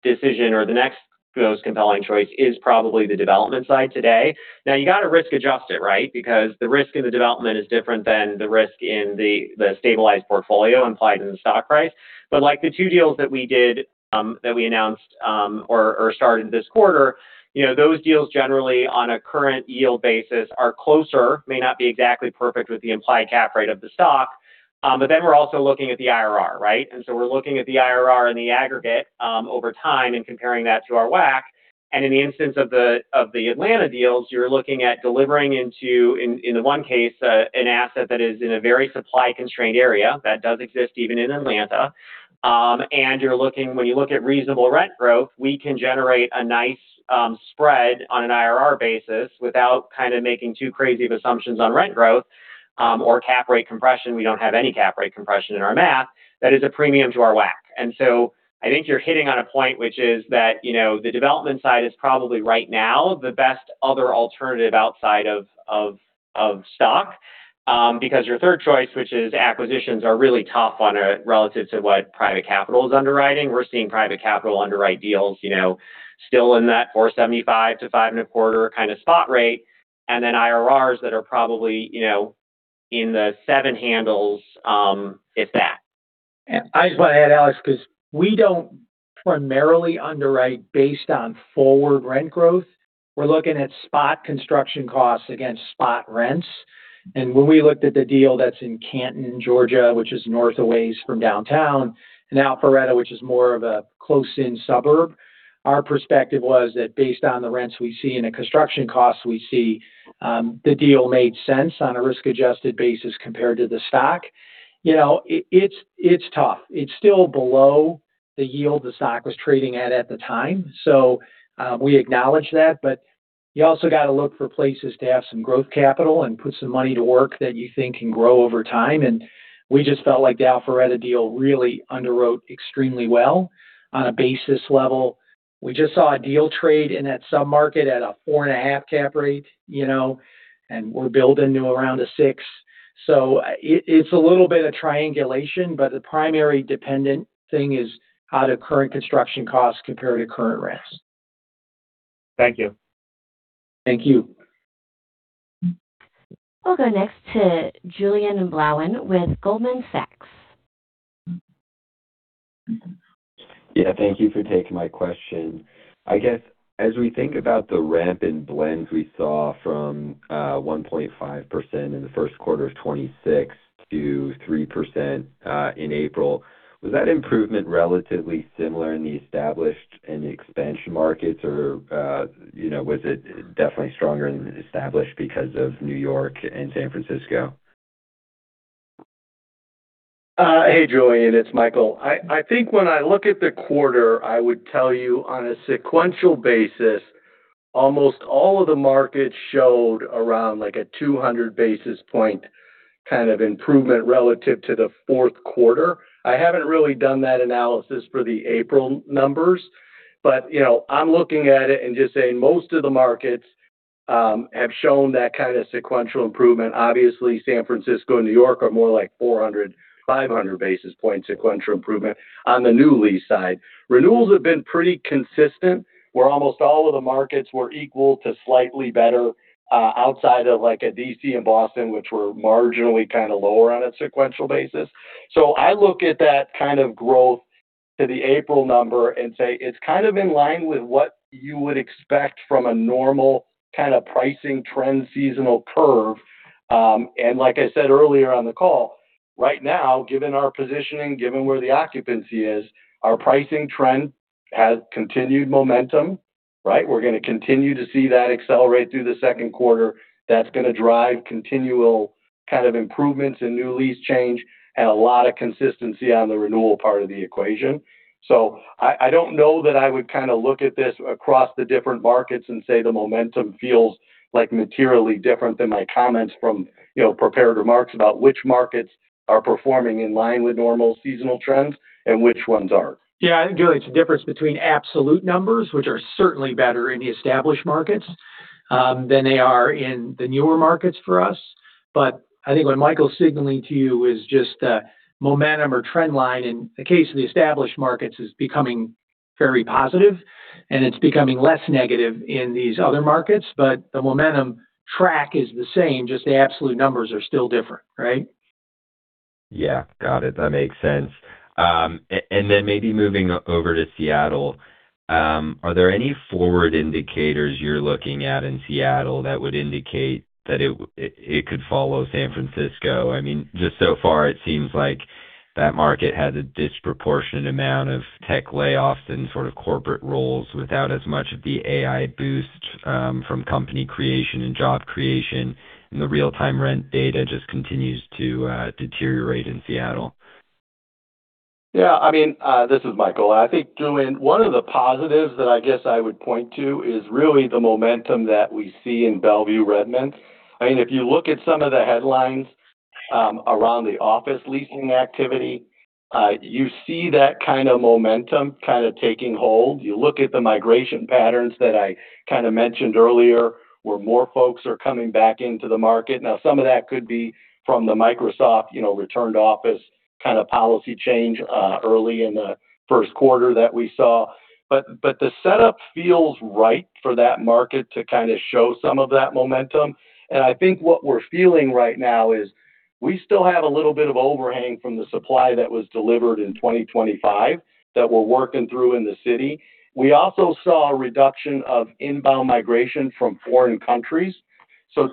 decision or the next most compelling choice is probably the development side today. Now you gotta risk adjust it, right? Because the risk in the development is different than the risk in the stabilized portfolio implied in the stock price. Like the two deals that we did, that we announced or started this quarter, you know, those deals generally on a current yield basis are closer, may not be exactly perfect with the implied cap rate of the stock. We're also looking at the IRR, right? We're looking at the IRR in the aggregate over time and comparing that to our WACC. In the instance of the Atlanta deals, you're looking at delivering into in the one case an asset that is in a very supply constrained area that does exist even in Atlanta. When you look at reasonable rent growth, we can generate a nice spread on an IRR basis without kind of making too crazy of assumptions on rent growth or cap rate compression. We don't have any cap rate compression in our math that is a premium to our WACC. I think you're hitting on a point which is that, you know, the development side is probably right now the best other alternative outside of stock. Because your third choice, which is acquisitions, are really tough on a relative to what private capital is underwriting. We're seeing private capital underwrite deals, you know, still in that 4.75%-5.25% kind of spot rate, and then IRRs that are probably, you know, in the 7%, if that. I just want to add, Alex, 'cause we don't primarily underwrite based on forward rent growth. We're looking at spot construction costs against spot rents. When we looked at the deal that's in Canton, Georgia, which is north a ways from downtown, and Alpharetta, which is more of a close-in suburb, our perspective was that based on the rents we see and the construction costs we see, the deal made sense on a risk-adjusted basis compared to the stock. You know, it's tough. It's still below the yield the stock was trading at the time. We acknowledge that, but you also got to look for places to have some growth capital and put some money to work that you think can grow over time. We just felt like the Alpharetta deal really underwrote extremely well on a basis level. We just saw a deal trade in that sub-market at a four and a half cap rate, you know, and we're building to around a six. It's a little bit of triangulation, but the primary dependent thing is how do current construction costs compare to current rents. Thank you. Thank you. We'll go next to Julien Blouin with Goldman Sachs. Yeah. Thank you for taking my question. I guess as we think about the ramp in blends we saw from 1.5% in the first quarter of 2026 to 3% in April, was that improvement relatively similar in the established and the expansion markets? You know, was it definitely stronger in established because of New York and San Francisco? Hey, Julien, it's Michael. I think when I look at the quarter, I would tell you on a sequential basis, almost all of the markets showed around like a 200 basis points kind of improvement relative to the fourth quarter. I haven't really done that analysis for the April numbers, you know, I'm looking at it and just saying most of the markets have shown that kind of sequential improvement. Obviously, San Francisco and New York are more like 400, 500 basis points sequential improvement on the new lease side. Renewals have been pretty consistent, where almost all of the markets were equal to slightly better, outside of like a D.C. and Boston, which were marginally kinda lower on a sequential basis. I look at that kind of growth to the April number and say it's kind of in line with what you would expect from a normal kind of pricing trend seasonal curve. Like I said earlier on the call, right now, given our positioning, given where the occupancy is, our pricing trend has continued momentum. We're gonna continue to see that accelerate through the second quarter. That's gonna drive continual kind of improvements in new lease change and a lot of consistency on the renewal part of the equation. I don't know that I would kinda look at this across the different markets and say the momentum feels like materially different than my comments from, you know, prepared remarks about which markets are performing in line with normal seasonal trends and which ones aren't. Yeah. I think, Julien, it's the difference between absolute numbers, which are certainly better in the established markets, than they are in the newer markets for us. I think what Michael's signaling to you is just, momentum or trend line in the case of the established markets is becoming very positive, and it's becoming less negative in these other markets. The momentum track is the same, just the absolute numbers are still different. Right? Yeah. Got it. That makes sense. Maybe moving over to Seattle, are there any forward indicators you're looking at in Seattle that would indicate that it could follow San Francisco? I mean, just so far, it seems like that market had a disproportionate amount of tech layoffs and sort of corporate roles without as much of the AI boost from company creation and job creation, and the real-time rent data just continues to deteriorate in Seattle. Yeah. I mean, this is Michael. I think, Julien, one of the positives that I guess I would point to is really the momentum that we see in Bellevue, Redmond. I mean, if you look at some of the headlines, around the office leasing activity, you see that kind of momentum kind of taking hold. You look at the migration patterns that I kind of mentioned earlier, where more folks are coming back into the market. Now, some of that could be from the Microsoft, you know, return to office kind of policy change, early in the first quarter that we saw. The setup feels right for that market to kind of show some of that momentum. I think what we're feeling right now is we still have a little bit of overhang from the supply that was delivered in 2025 that we're working through in the city. We also saw a reduction of inbound migration from foreign countries.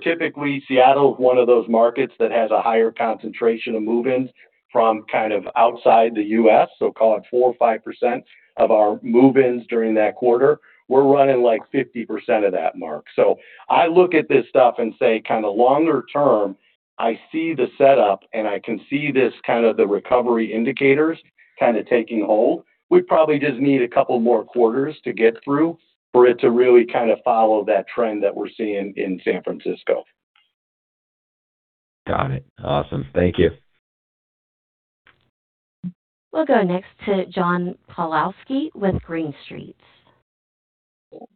Typically, Seattle is one of those markets that has a higher concentration of move-ins from kind of outside the U.S. Call it 4% or 5% of our move-ins during that quarter. We're running like 50% of that mark. I look at this stuff and say kind of longer term, I see the setup, and I can see this kind of the recovery indicators kind of taking hold. We probably just need a couple more quarters to get through for it to really kind of follow that trend that we're seeing in San Francisco. Got it. Awesome. Thank you. We'll go next to John Pawlowski with Green Street.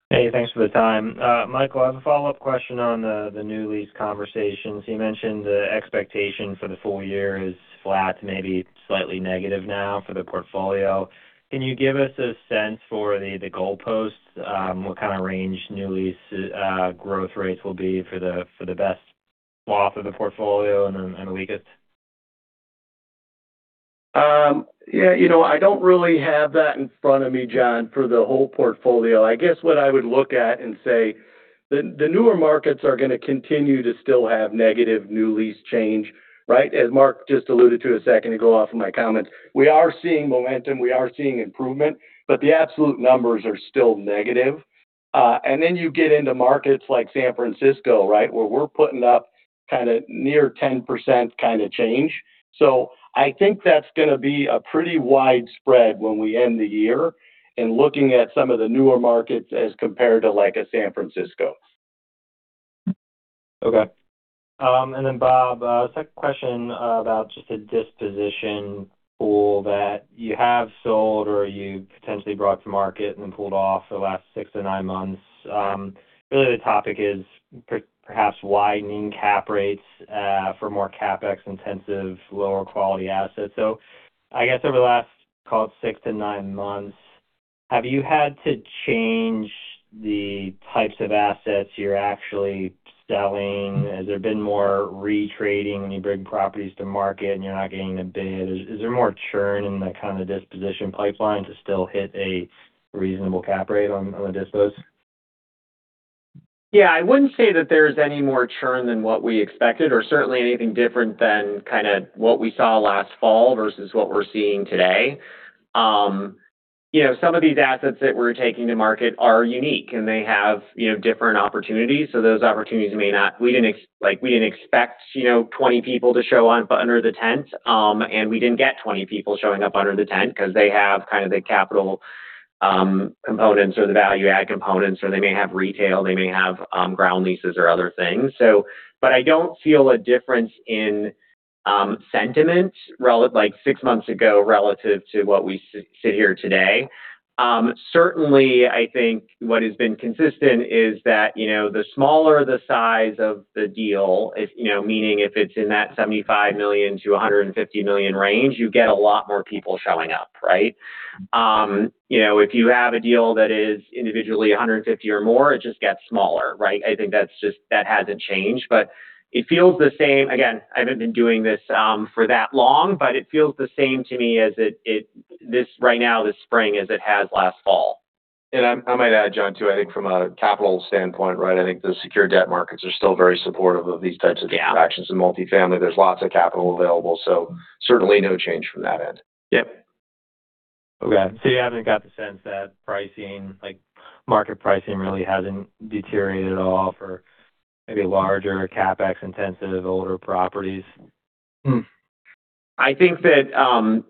Hey, thanks for the time. Michael, I have a follow-up question on the new lease conversations. You mentioned the expectation for the full year is flat, maybe slightly negative now for the portfolio. Can you give us a sense for the goalposts, what kind of range new lease growth rates will be for the best half of the portfolio and the weakest? Yeah, you know, I don't really have that in front of me, John, for the whole portfolio. I guess what I would look at and say the newer markets are gonna continue to still have negative new lease change, right? As Mark just alluded to a second ago off of my comments, we are seeing momentum, we are seeing improvement, but the absolute numbers are still negative. Then you get into markets like San Francisco, right? Where we're putting up kinda near 10% kinda change. I think that's gonna be a pretty widespread when we end the year and looking at some of the newer markets as compared to like a San Francisco. Okay. Bob, second question about just the disposition pool that you have sold or you potentially brought to market and then pulled off for the last six to nine months. Really the topic is perhaps widening cap rates for more CapEx intensive, lower quality assets. I guess over the last, call it six to nine months, have you had to change the types of assets you're actually selling? Has there been more retrading when you bring properties to market and you're not getting a bid? Is there more churn in the kind of disposition pipeline to still hit a reasonable cap rate on the dispos? Yeah, I wouldn't say that there's any more churn than what we expected or certainly anything different than kind of what we saw last fall versus what we're seeing today. You know, some of these assets that we're taking to market are unique, and they have, you know, different opportunities. Those opportunities may not. We didn't expect, you know, 20 people to show up under the tent, and we didn't get 20 people showing up under the tent because they have kind of the capital components or the value add components, or they may have retail, they may have ground leases or other things. I don't feel a difference in sentiment relative to like six months ago relative to what we sit here today. Certainly, I think what has been consistent is that the smaller the size of the deal, if meaning if it's in that $75 million-$150 million range, you get a lot more people showing up, right? If you have a deal that is individually $150 or more, it just gets smaller, right? I think that hasn't changed. It feels the same. Again, I haven't been doing this for that long, but it feels the same to me as this right now, this spring as it has last fall. I might add, John, too, I think from a capital standpoint, right, I think the secure debt markets are still very supportive of these types of transactions. Yeah. In multifamily, there's lots of capital available, so certainly no change from that end. Yep. Okay. You haven't got the sense that pricing, like market pricing really hasn't deteriorated at all for maybe larger CapEx intensive older properties? I think that,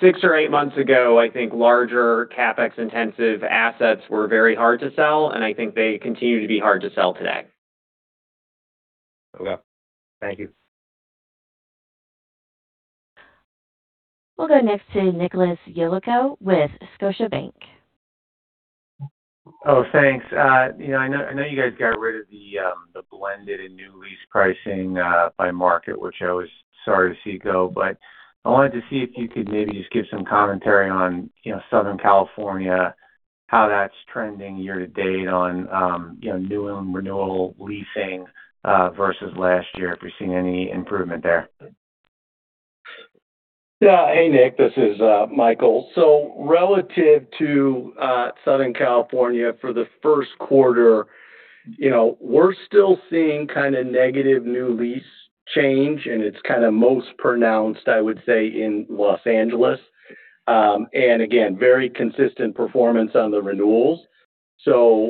six or eight months ago, I think larger CapEx intensive assets were very hard to sell, and I think they continue to be hard to sell today. Okay. Thank you. We'll go next to Nicholas Yulico with Scotiabank. Oh, thanks. You know, I know you guys got rid of the blended and new lease pricing by market, which I was sorry to see go. I wanted to see if you could maybe just give some commentary on, you know, Southern California, how that's trending year to date on, you know, new and renewal leasing versus last year, if you're seeing any improvement there. Yeah. Hey, Nick, this is Michael. Relative to Southern California for the first quarter, you know, we're still seeing kinda negative new lease change, and it's kinda most pronounced, I would say, in Los Angeles. Again, very consistent performance on the renewals. You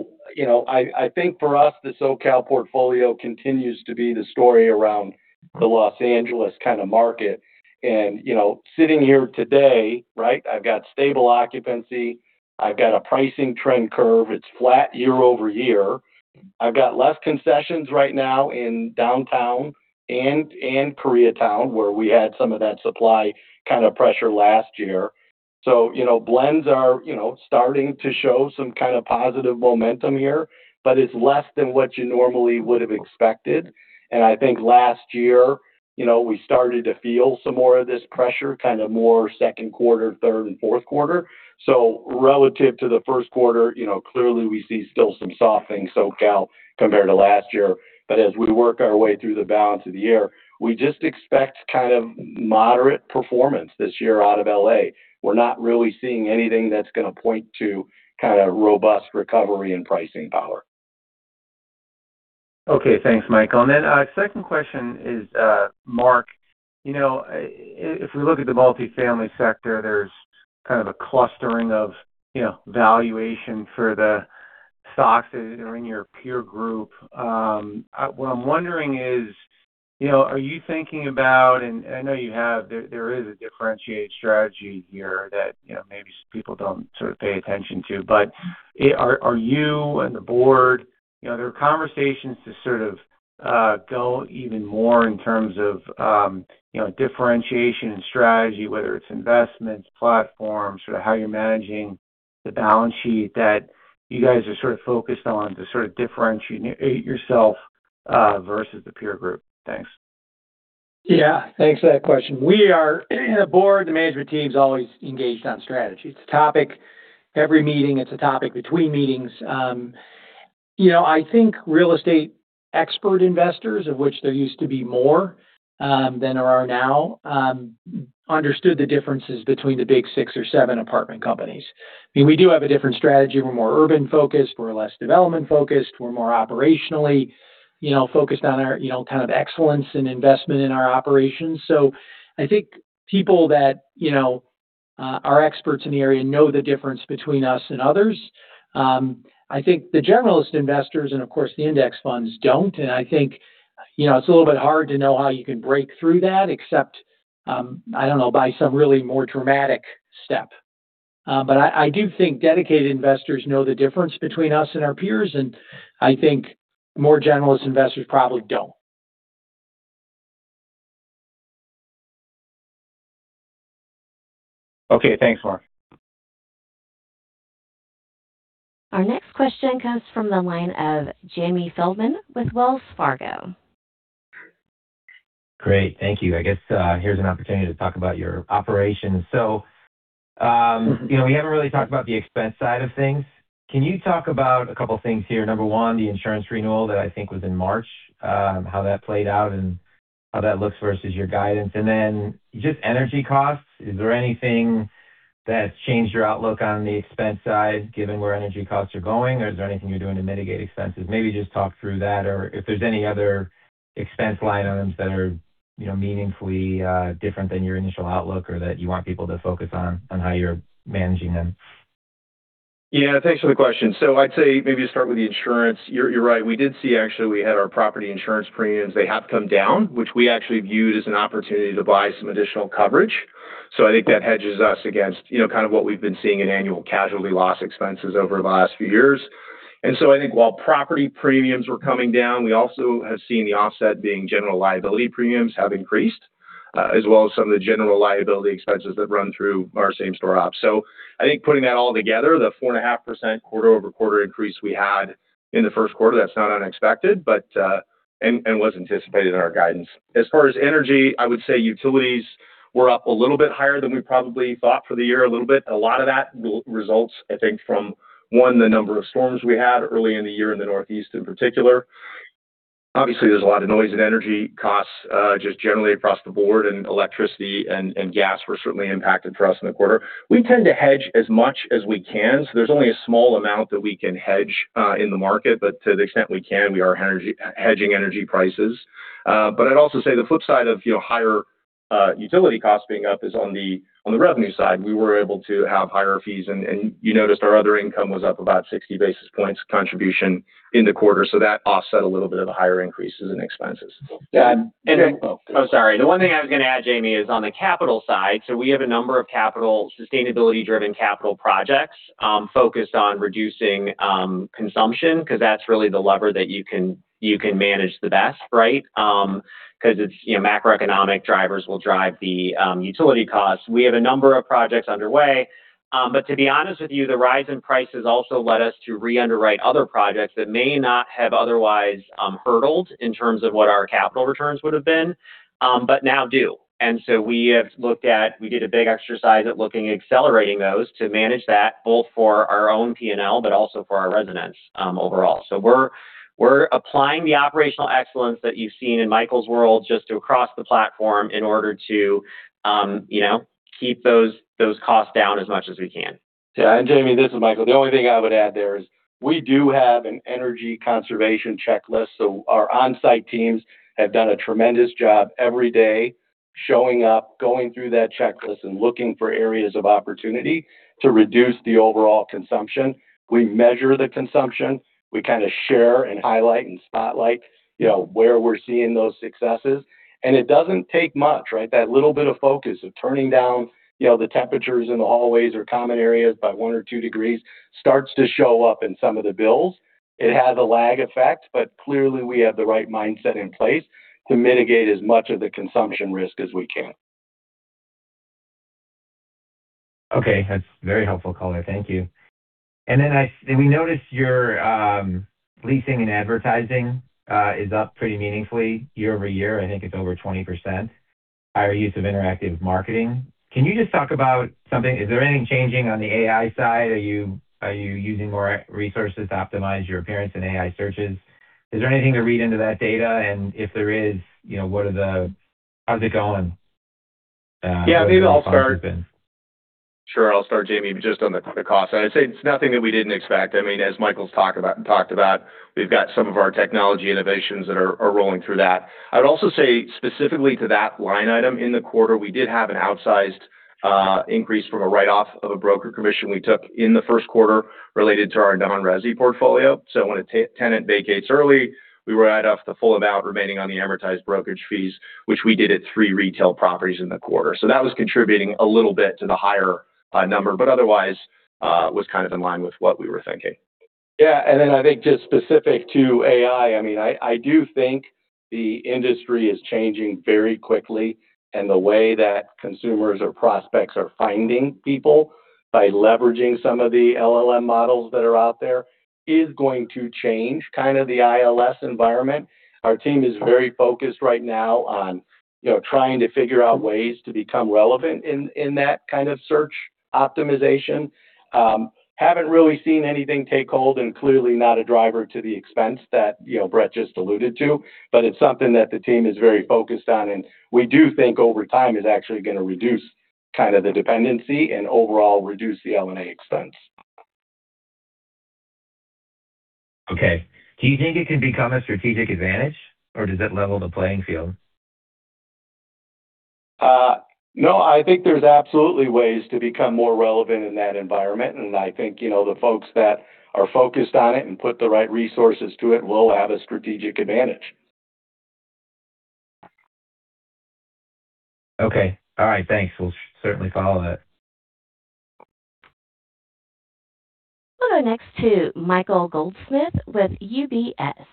know, I think for us, the SoCal portfolio continues to be the story around the Los Angeles kinda market. You know, sitting here today, right, I've got stable occupancy. I've got a pricing trend curve. It's flat year-over-year. I've got less concessions right now in Downtown and Koreatown, where we had some of that supply kinda pressure last year. You know, blends are, you know, starting to show some kinda positive momentum here, but it's less than what you normally would have expected. I think last year, you know, we started to feel some more of this pressure, kind of more second quarter, third, and fourth quarter. Relative to the first quarter, you know, clearly we see still some softening SoCal compared to last year. As we work our way through the balance of the year, we just expect kind of moderate performance this year out of L.A. We're not really seeing anything that's gonna point to kinda robust recovery and pricing power. Okay. Thanks, Michael. Second question is, Mark, you know, if we look at the multifamily sector, there's kind of a clustering of, you know, valuation for the stocks that are in your peer group. What I'm wondering is, you know, are you thinking about and I know you have. There is a differentiated strategy here that, you know, maybe people don't sort of pay attention to. Are you and the board, you know, there are conversations to sort of go even more in terms of, you know, differentiation and strategy, whether it's investments, platforms, or how you're managing the balance sheet that you guys are sort of focused on to sort of differentiate yourself versus the peer group. Thanks. Yeah. Thanks for that question. We are, the board, the management team's always engaged on strategy. It's a topic every meeting. It's a topic between meetings. You know, I think real estate expert investors, of which there used to be more than there are now, understood the differences between the big six or seven apartment companies. I mean, we do have a different strategy. We're more urban-focused. We're less development-focused. We're more operationally, you know, focused on our, you know, kind of excellence and investment in our operations. I think people that, you know, are experts in the area know the difference between us and others. I think the generalist investors and, of course, the index funds don't. I think, you know, it's a little bit hard to know how you can break through that except, I don't know, by some really more dramatic step. I do think dedicated investors know the difference between us and our peers, and I think more generalist investors probably don't. Okay. Thanks, Mark. Our next question comes from the line of Jamie Feldman with Wells Fargo. Great. Thank you. I guess, here's an opportunity to talk about your operations. You know, we haven't really talked about the expense side of things. Can you talk about a couple of things here? Number one, the insurance renewal that I think was in March, how that played out and how that looks versus your guidance. Just energy costs. Is there anything that's changed your outlook on the expense side, given where energy costs are going, or is there anything you're doing to mitigate expenses? Maybe just talk through that, or if there's any other expense line items that are, you know, meaningfully different than your initial outlook or that you want people to focus on how you're managing them. Yeah. Thanks for the question. I'd say maybe start with the insurance. You're right. We did see actually, we had our property insurance premiums. They have come down, which we actually viewed as an opportunity to buy some additional coverage. I think that hedges us against, you know, kind of what we've been seeing in annual casualty loss expenses over the last few years. I think while property premiums were coming down, we also have seen the offset being general liability premiums have increased, as well as some of the general liability expenses that run through our same store ops. I think putting that all together, the 4.5% quarter-over-quarter increase we had in the first quarter, that's not unexpected, but and was anticipated in our guidance. As far as energy, I would say utilities were up a little bit higher than we probably thought for the year a little bit. A lot of that results, I think, from, one, the number of storms we had early in the year in the Northeast, in particular. Obviously, there's a lot of noise in energy costs, just generally across the board, and electricity and gas were certainly impacted for us in the quarter. We tend to hedge as much as we can, so there's only a small amount that we can hedge in the market. To the extent we can, we are hedging energy prices. I'd also say the flip side of, you know, higher utility costs being up is on the revenue side. We were able to have higher fees, and you noticed our other income was up about 60 basis points contribution in the quarter. That offset a little bit of the higher increases in expenses. Yeah. Go. Oh, sorry. The one thing I was gonna add, Jamie, is on the capital side. We have a number of sustainability-driven capital projects focused on reducing consumption because that's really the lever that you can manage the best, right? Cause it's, you know, macroeconomic drivers will drive the utility costs. We have a number of projects underway. To be honest with you, the rise in prices also led us to re-underwrite other projects that may not have otherwise hurdled in terms of what our capital returns would have been, but now do. We did a big exercise at looking at accelerating those to manage that, both for our own P&L, but also for our residents overall. We're applying the operational excellence that you've seen in Michael's world just across the platform in order to, you know, keep those costs down as much as we can. Yeah. Jamie, this is Michael. The only thing I would add there is we do have an energy conservation checklist, so our on-site teams have done a tremendous job every day showing up, going through that checklist and looking for areas of opportunity to reduce the overall consumption. We measure the consumption. We kinda share and highlight and spotlight, you know, where we're seeing those successes. It doesn't take much, right? That little bit of focus of turning down, you know, the temperatures in the hallways or common areas by one or two degrees starts to show up in some of the bills. It has a lag effect, but clearly we have the right mindset in place to mitigate as much of the consumption risk as we can. Okay. That's very helpful, Colin. Thank you. Then we noticed your leasing and advertising is up pretty meaningfully year-over-year. I think it's over 20%. Higher use of interactive marketing. Is there anything changing on the AI side? Are you using more resources to optimize your appearance in AI searches? Is there anything to read into that data? If there is, you know, how's it going? What are the responses been? I'll start, Jamie, just on the cost side. It's nothing that we didn't expect. I mean, as Michael talked about, we've got some of our technology innovations that are rolling through that. I would also say specifically to that line item in the quarter, we did have an outsized increase from a write-off of a broker commission we took in the first quarter related to our non-resi portfolio. When a tenant vacates early, we write off the full amount remaining on the amortized brokerage fees, which we did at three retail properties in the quarter. That was contributing a little bit to the higher number, otherwise was kind of in line with what we were thinking. Yeah. I think just specific to AI, I mean, I do think the industry is changing very quickly, and the way that consumers or prospects are finding people by leveraging some of the LLM models that are out there is going to change kind of the ILS environment. Our team is very focused right now on, you know, trying to figure out ways to become relevant in that kind of search optimization. Haven't really seen anything take hold and clearly not a driver to the expense that, you know, Bret just alluded to, but it's something that the team is very focused on, and we do think over time is actually gonna reduce kind of the dependency and overall reduce the L&A expense. Okay. Do you think it can become a strategic advantage, or does it level the playing field? No, I think there's absolutely ways to become more relevant in that environment, and I think, you know, the folks that are focused on it and put the right resources to it will have a strategic advantage. Okay. All right. Thanks. We'll certainly follow that. We'll go next to Michael Goldsmith with UBS.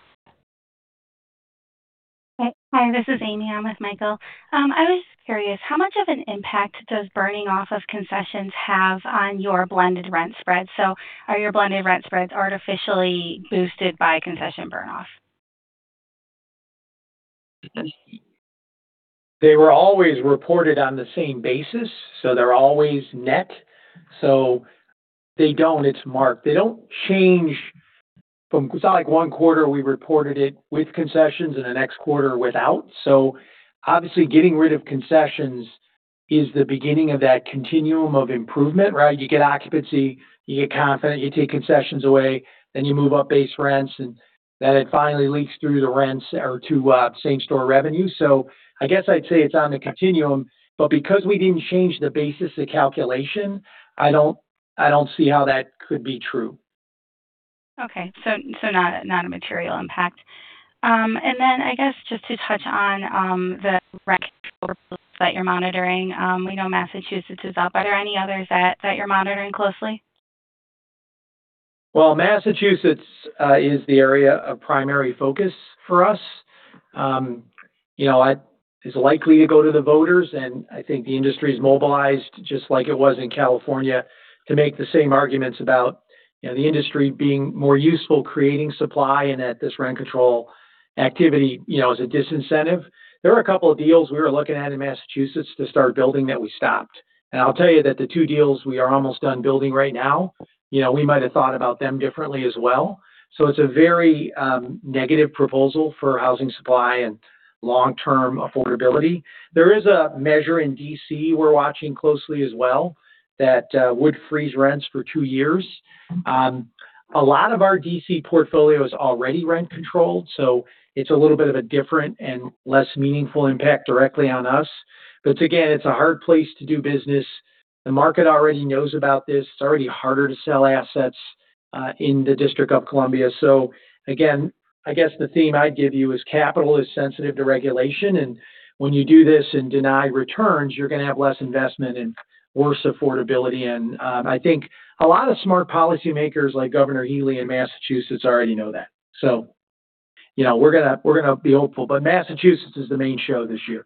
Hi, this is Amy. I'm with Michael. I was curious, how much of an impact does burning off of concessions have on your blended rent spread? Are your blended rent spreads artificially boosted by concession burn-off? They were always reported on the same basis, they're always net. They don't. It's marked. They don't change. It's not like one quarter we reported it with concessions and the next quarter without. Obviously, getting rid of concessions is the beginning of that continuum of improvement, right? You get occupancy, you get confident, you take concessions away, then you move up base rents, and then it finally leaks through the rents or to same-store revenue. I guess I'd say it's on the continuum, but because we didn't change the basis of calculation, I don't see how that could be true. Okay. Not a material impact. I guess just to touch on the rent control that you're monitoring. We know Massachusetts is up. Are there any others that you're monitoring closely? Massachusetts is the area of primary focus for us. You know, it's likely to go to the voters, and I think the industry is mobilized, just like it was in California, to make the same arguments about, you know, the industry being more useful creating supply and that this rent control activity, you know, is a disincentive. There are a couple of deals we were looking at in Massachusetts to start building that we stopped. I'll tell you that the two deals we are almost done building right now, you know, we might have thought about them differently as well. It's a very negative proposal for housing supply and long-term affordability. There is a measure in D.C. we're watching closely as well that would freeze rents for two years. A lot of our D.C. portfolio is already rent-controlled, so it's a little bit of a different and less meaningful impact directly on us. Again, it's a hard place to do business. The market already knows about this. It's already harder to sell assets in the District of Columbia. Again, I guess the theme I'd give you is capital is sensitive to regulation and when you do this and deny returns, you're gonna have less investment and worse affordability. I think a lot of smart policymakers, like Governor Healey in Massachusetts, already know that. You know, we're gonna be hopeful. Massachusetts is the main show this year.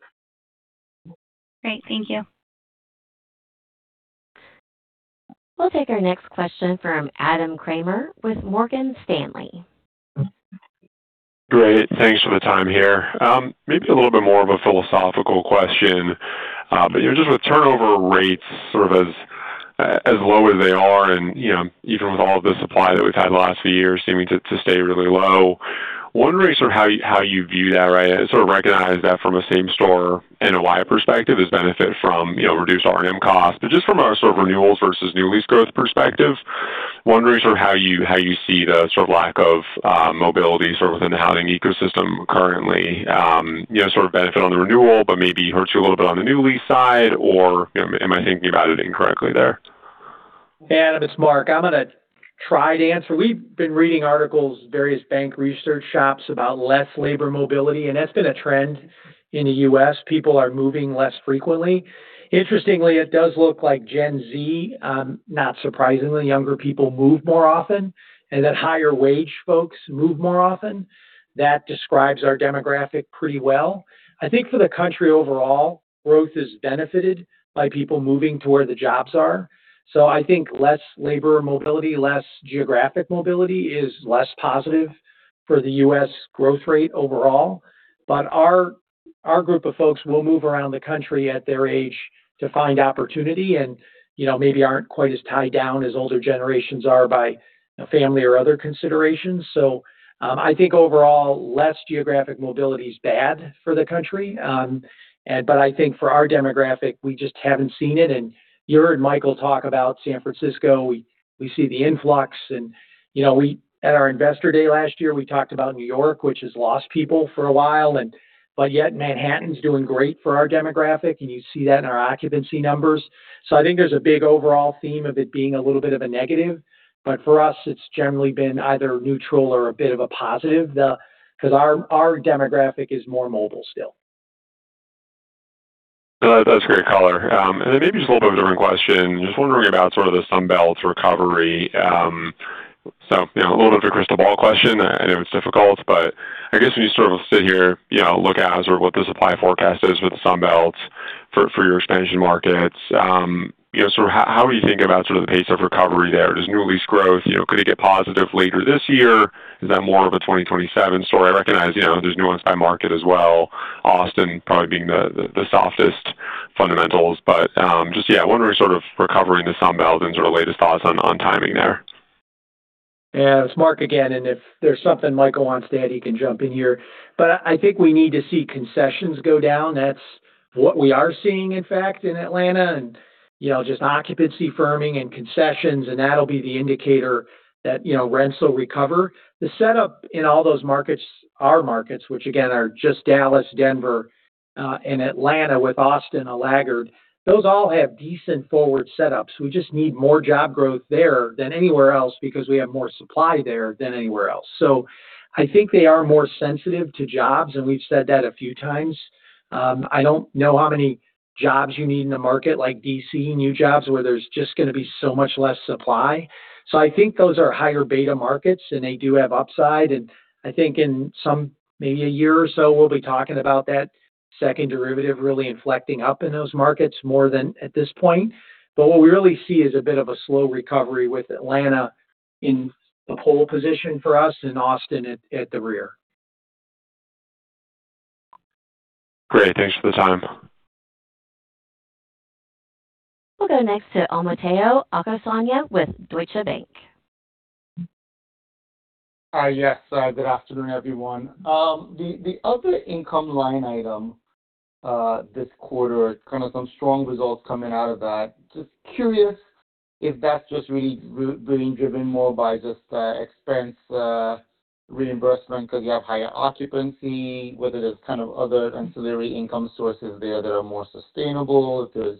Great. Thank you. We'll take our next question from Adam Kramer with Morgan Stanley. Great. Thanks for the time here. Maybe a little bit more of a philosophical question. You know, just with turnover rates sort of as low as they are and, you know, even with all of the supply that we've had the last few years seeming to stay really low, wondering sort of how you, how you view that, right? I sort of recognize that from a same store NOI perspective as benefit from, you know, reduced RM costs. Just from a sort of renewals versus new lease growth perspective, wondering sort of how you, how you see the sort of lack of mobility sort within the housing ecosystem currently. You know, sort of benefit on the renewal, but maybe hurts you a little bit on the new lease side or, you know, am I thinking about it incorrectly there? This is Mark. I'm going to try to answer. We've been reading articles, various bank research shops about less labor mobility, and that's been a trend in the U.S. People are moving less frequently. Interestingly, it does look like Gen Z, not surprisingly, younger people move more often, and that higher wage folks move more often. That describes our demographic pretty well. I think for the country overall, growth is benefited by people moving to where the jobs are. I think less labor mobility, less geographic mobility is less positive for the U.S. growth rate overall. Our, our group of folks will move around the country at their age to find opportunity and, you know, maybe aren't quite as tied down as older generations are by family or other considerations. I think overall, less geographic mobility is bad for the country. I think for our demographic, we just haven't seen it. You heard Michael Manelis talk about San Francisco. We see the influx and, you know. At our investor day last year, we talked about New York, which has lost people for a while, and but yet Manhattan's doing great for our demographic, and you see that in our occupancy numbers. I think there's a big overall theme of it being a little bit of a negative. For us, it's generally been either neutral or a bit of a positive, the, 'cause our demographic is more mobile still. No, that's great color. Maybe just a little bit of a different question. Just wondering about sort of the Sun Belt recovery. You know, a little bit of a crystal ball question. I know it's difficult, but I guess when you sort of sit here, you know, look as or what the supply forecast is with the Sun Belt for your expansion markets, you know, sort of how do you think about sort of the pace of recovery there? Does new lease growth, you know, could it get positive later this year? Is that more of a 2027 story? I recognize, you know, there's nuance by market as well. Austin probably being the softest fundamentals. Just yeah, wondering sort of recovering the Sun Belt and sort of latest thoughts on timing there. It's Mark again, and if there's something Michael wants to add, he can jump in here. I think we need to see concessions go down. That's what we are seeing, in fact, in Atlanta and, you know, just occupancy firming and concessions, and that'll be the indicator that, you know, rents will recover. The setup in all those markets are markets, which again are just Dallas, Denver, and Atlanta with Austin a laggard. Those all have decent forward setups. We just need more job growth there than anywhere else because we have more supply there than anywhere else. I think they are more sensitive to jobs, and we've said that a few times. I don't know how many jobs you need in a market like D.C., new jobs where there's just gonna be so much less supply. I think those are higher beta markets. They do have upside. I think in some, maybe a year or so, we'll be talking about that second derivative really inflecting up in those markets more than at this point. What we really see is a bit of a slow recovery with Atlanta in the pole position for us and Austin at the rear. Great. Thanks for the time. We'll go next to Omotayo Okusanya with Deutsche Bank. Hi. Yes. Good afternoon, everyone. The other income line item this quarter, kind of some strong results coming out of that. Just curious if that's just really being driven more by just expense reimbursement because you have higher occupancy, whether there's kind of other ancillary income sources there that are more sustainable, if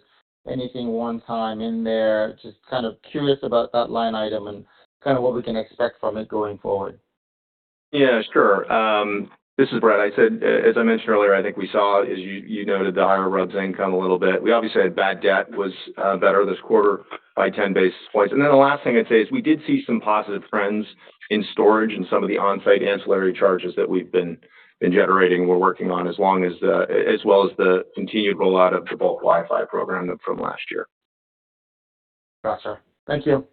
there's anything one time in there. Just kind of curious about that line item and kind of what we can expect from it going forward. Yeah, sure. This is Bret. I said, as I mentioned earlier, I think we saw, as you noted, the higher RUBS income a little bit. We obviously had bad debt was better this quarter by 10 basis points. The last thing I'd say is we did see some positive trends in storage and some of the on-site ancillary charges that we've been generating, we're working on as well as the continued rollout of the bulk Wi-Fi program from last year. Gotcha. Thank you.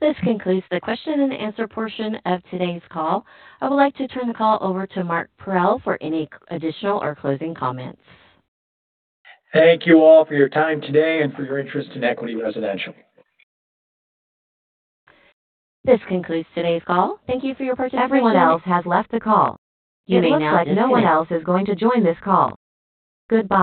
This concludes the question and answer portion of today's call. I would like to turn the call over to Mark Parrell for any additional or closing comments. Thank you all for your time today and for your interest in Equity Residential. This concludes today's call. Thank you for your participation. Everyone else has left the call. You may now disconnect. It looks like no one else is going to join this call. Goodbye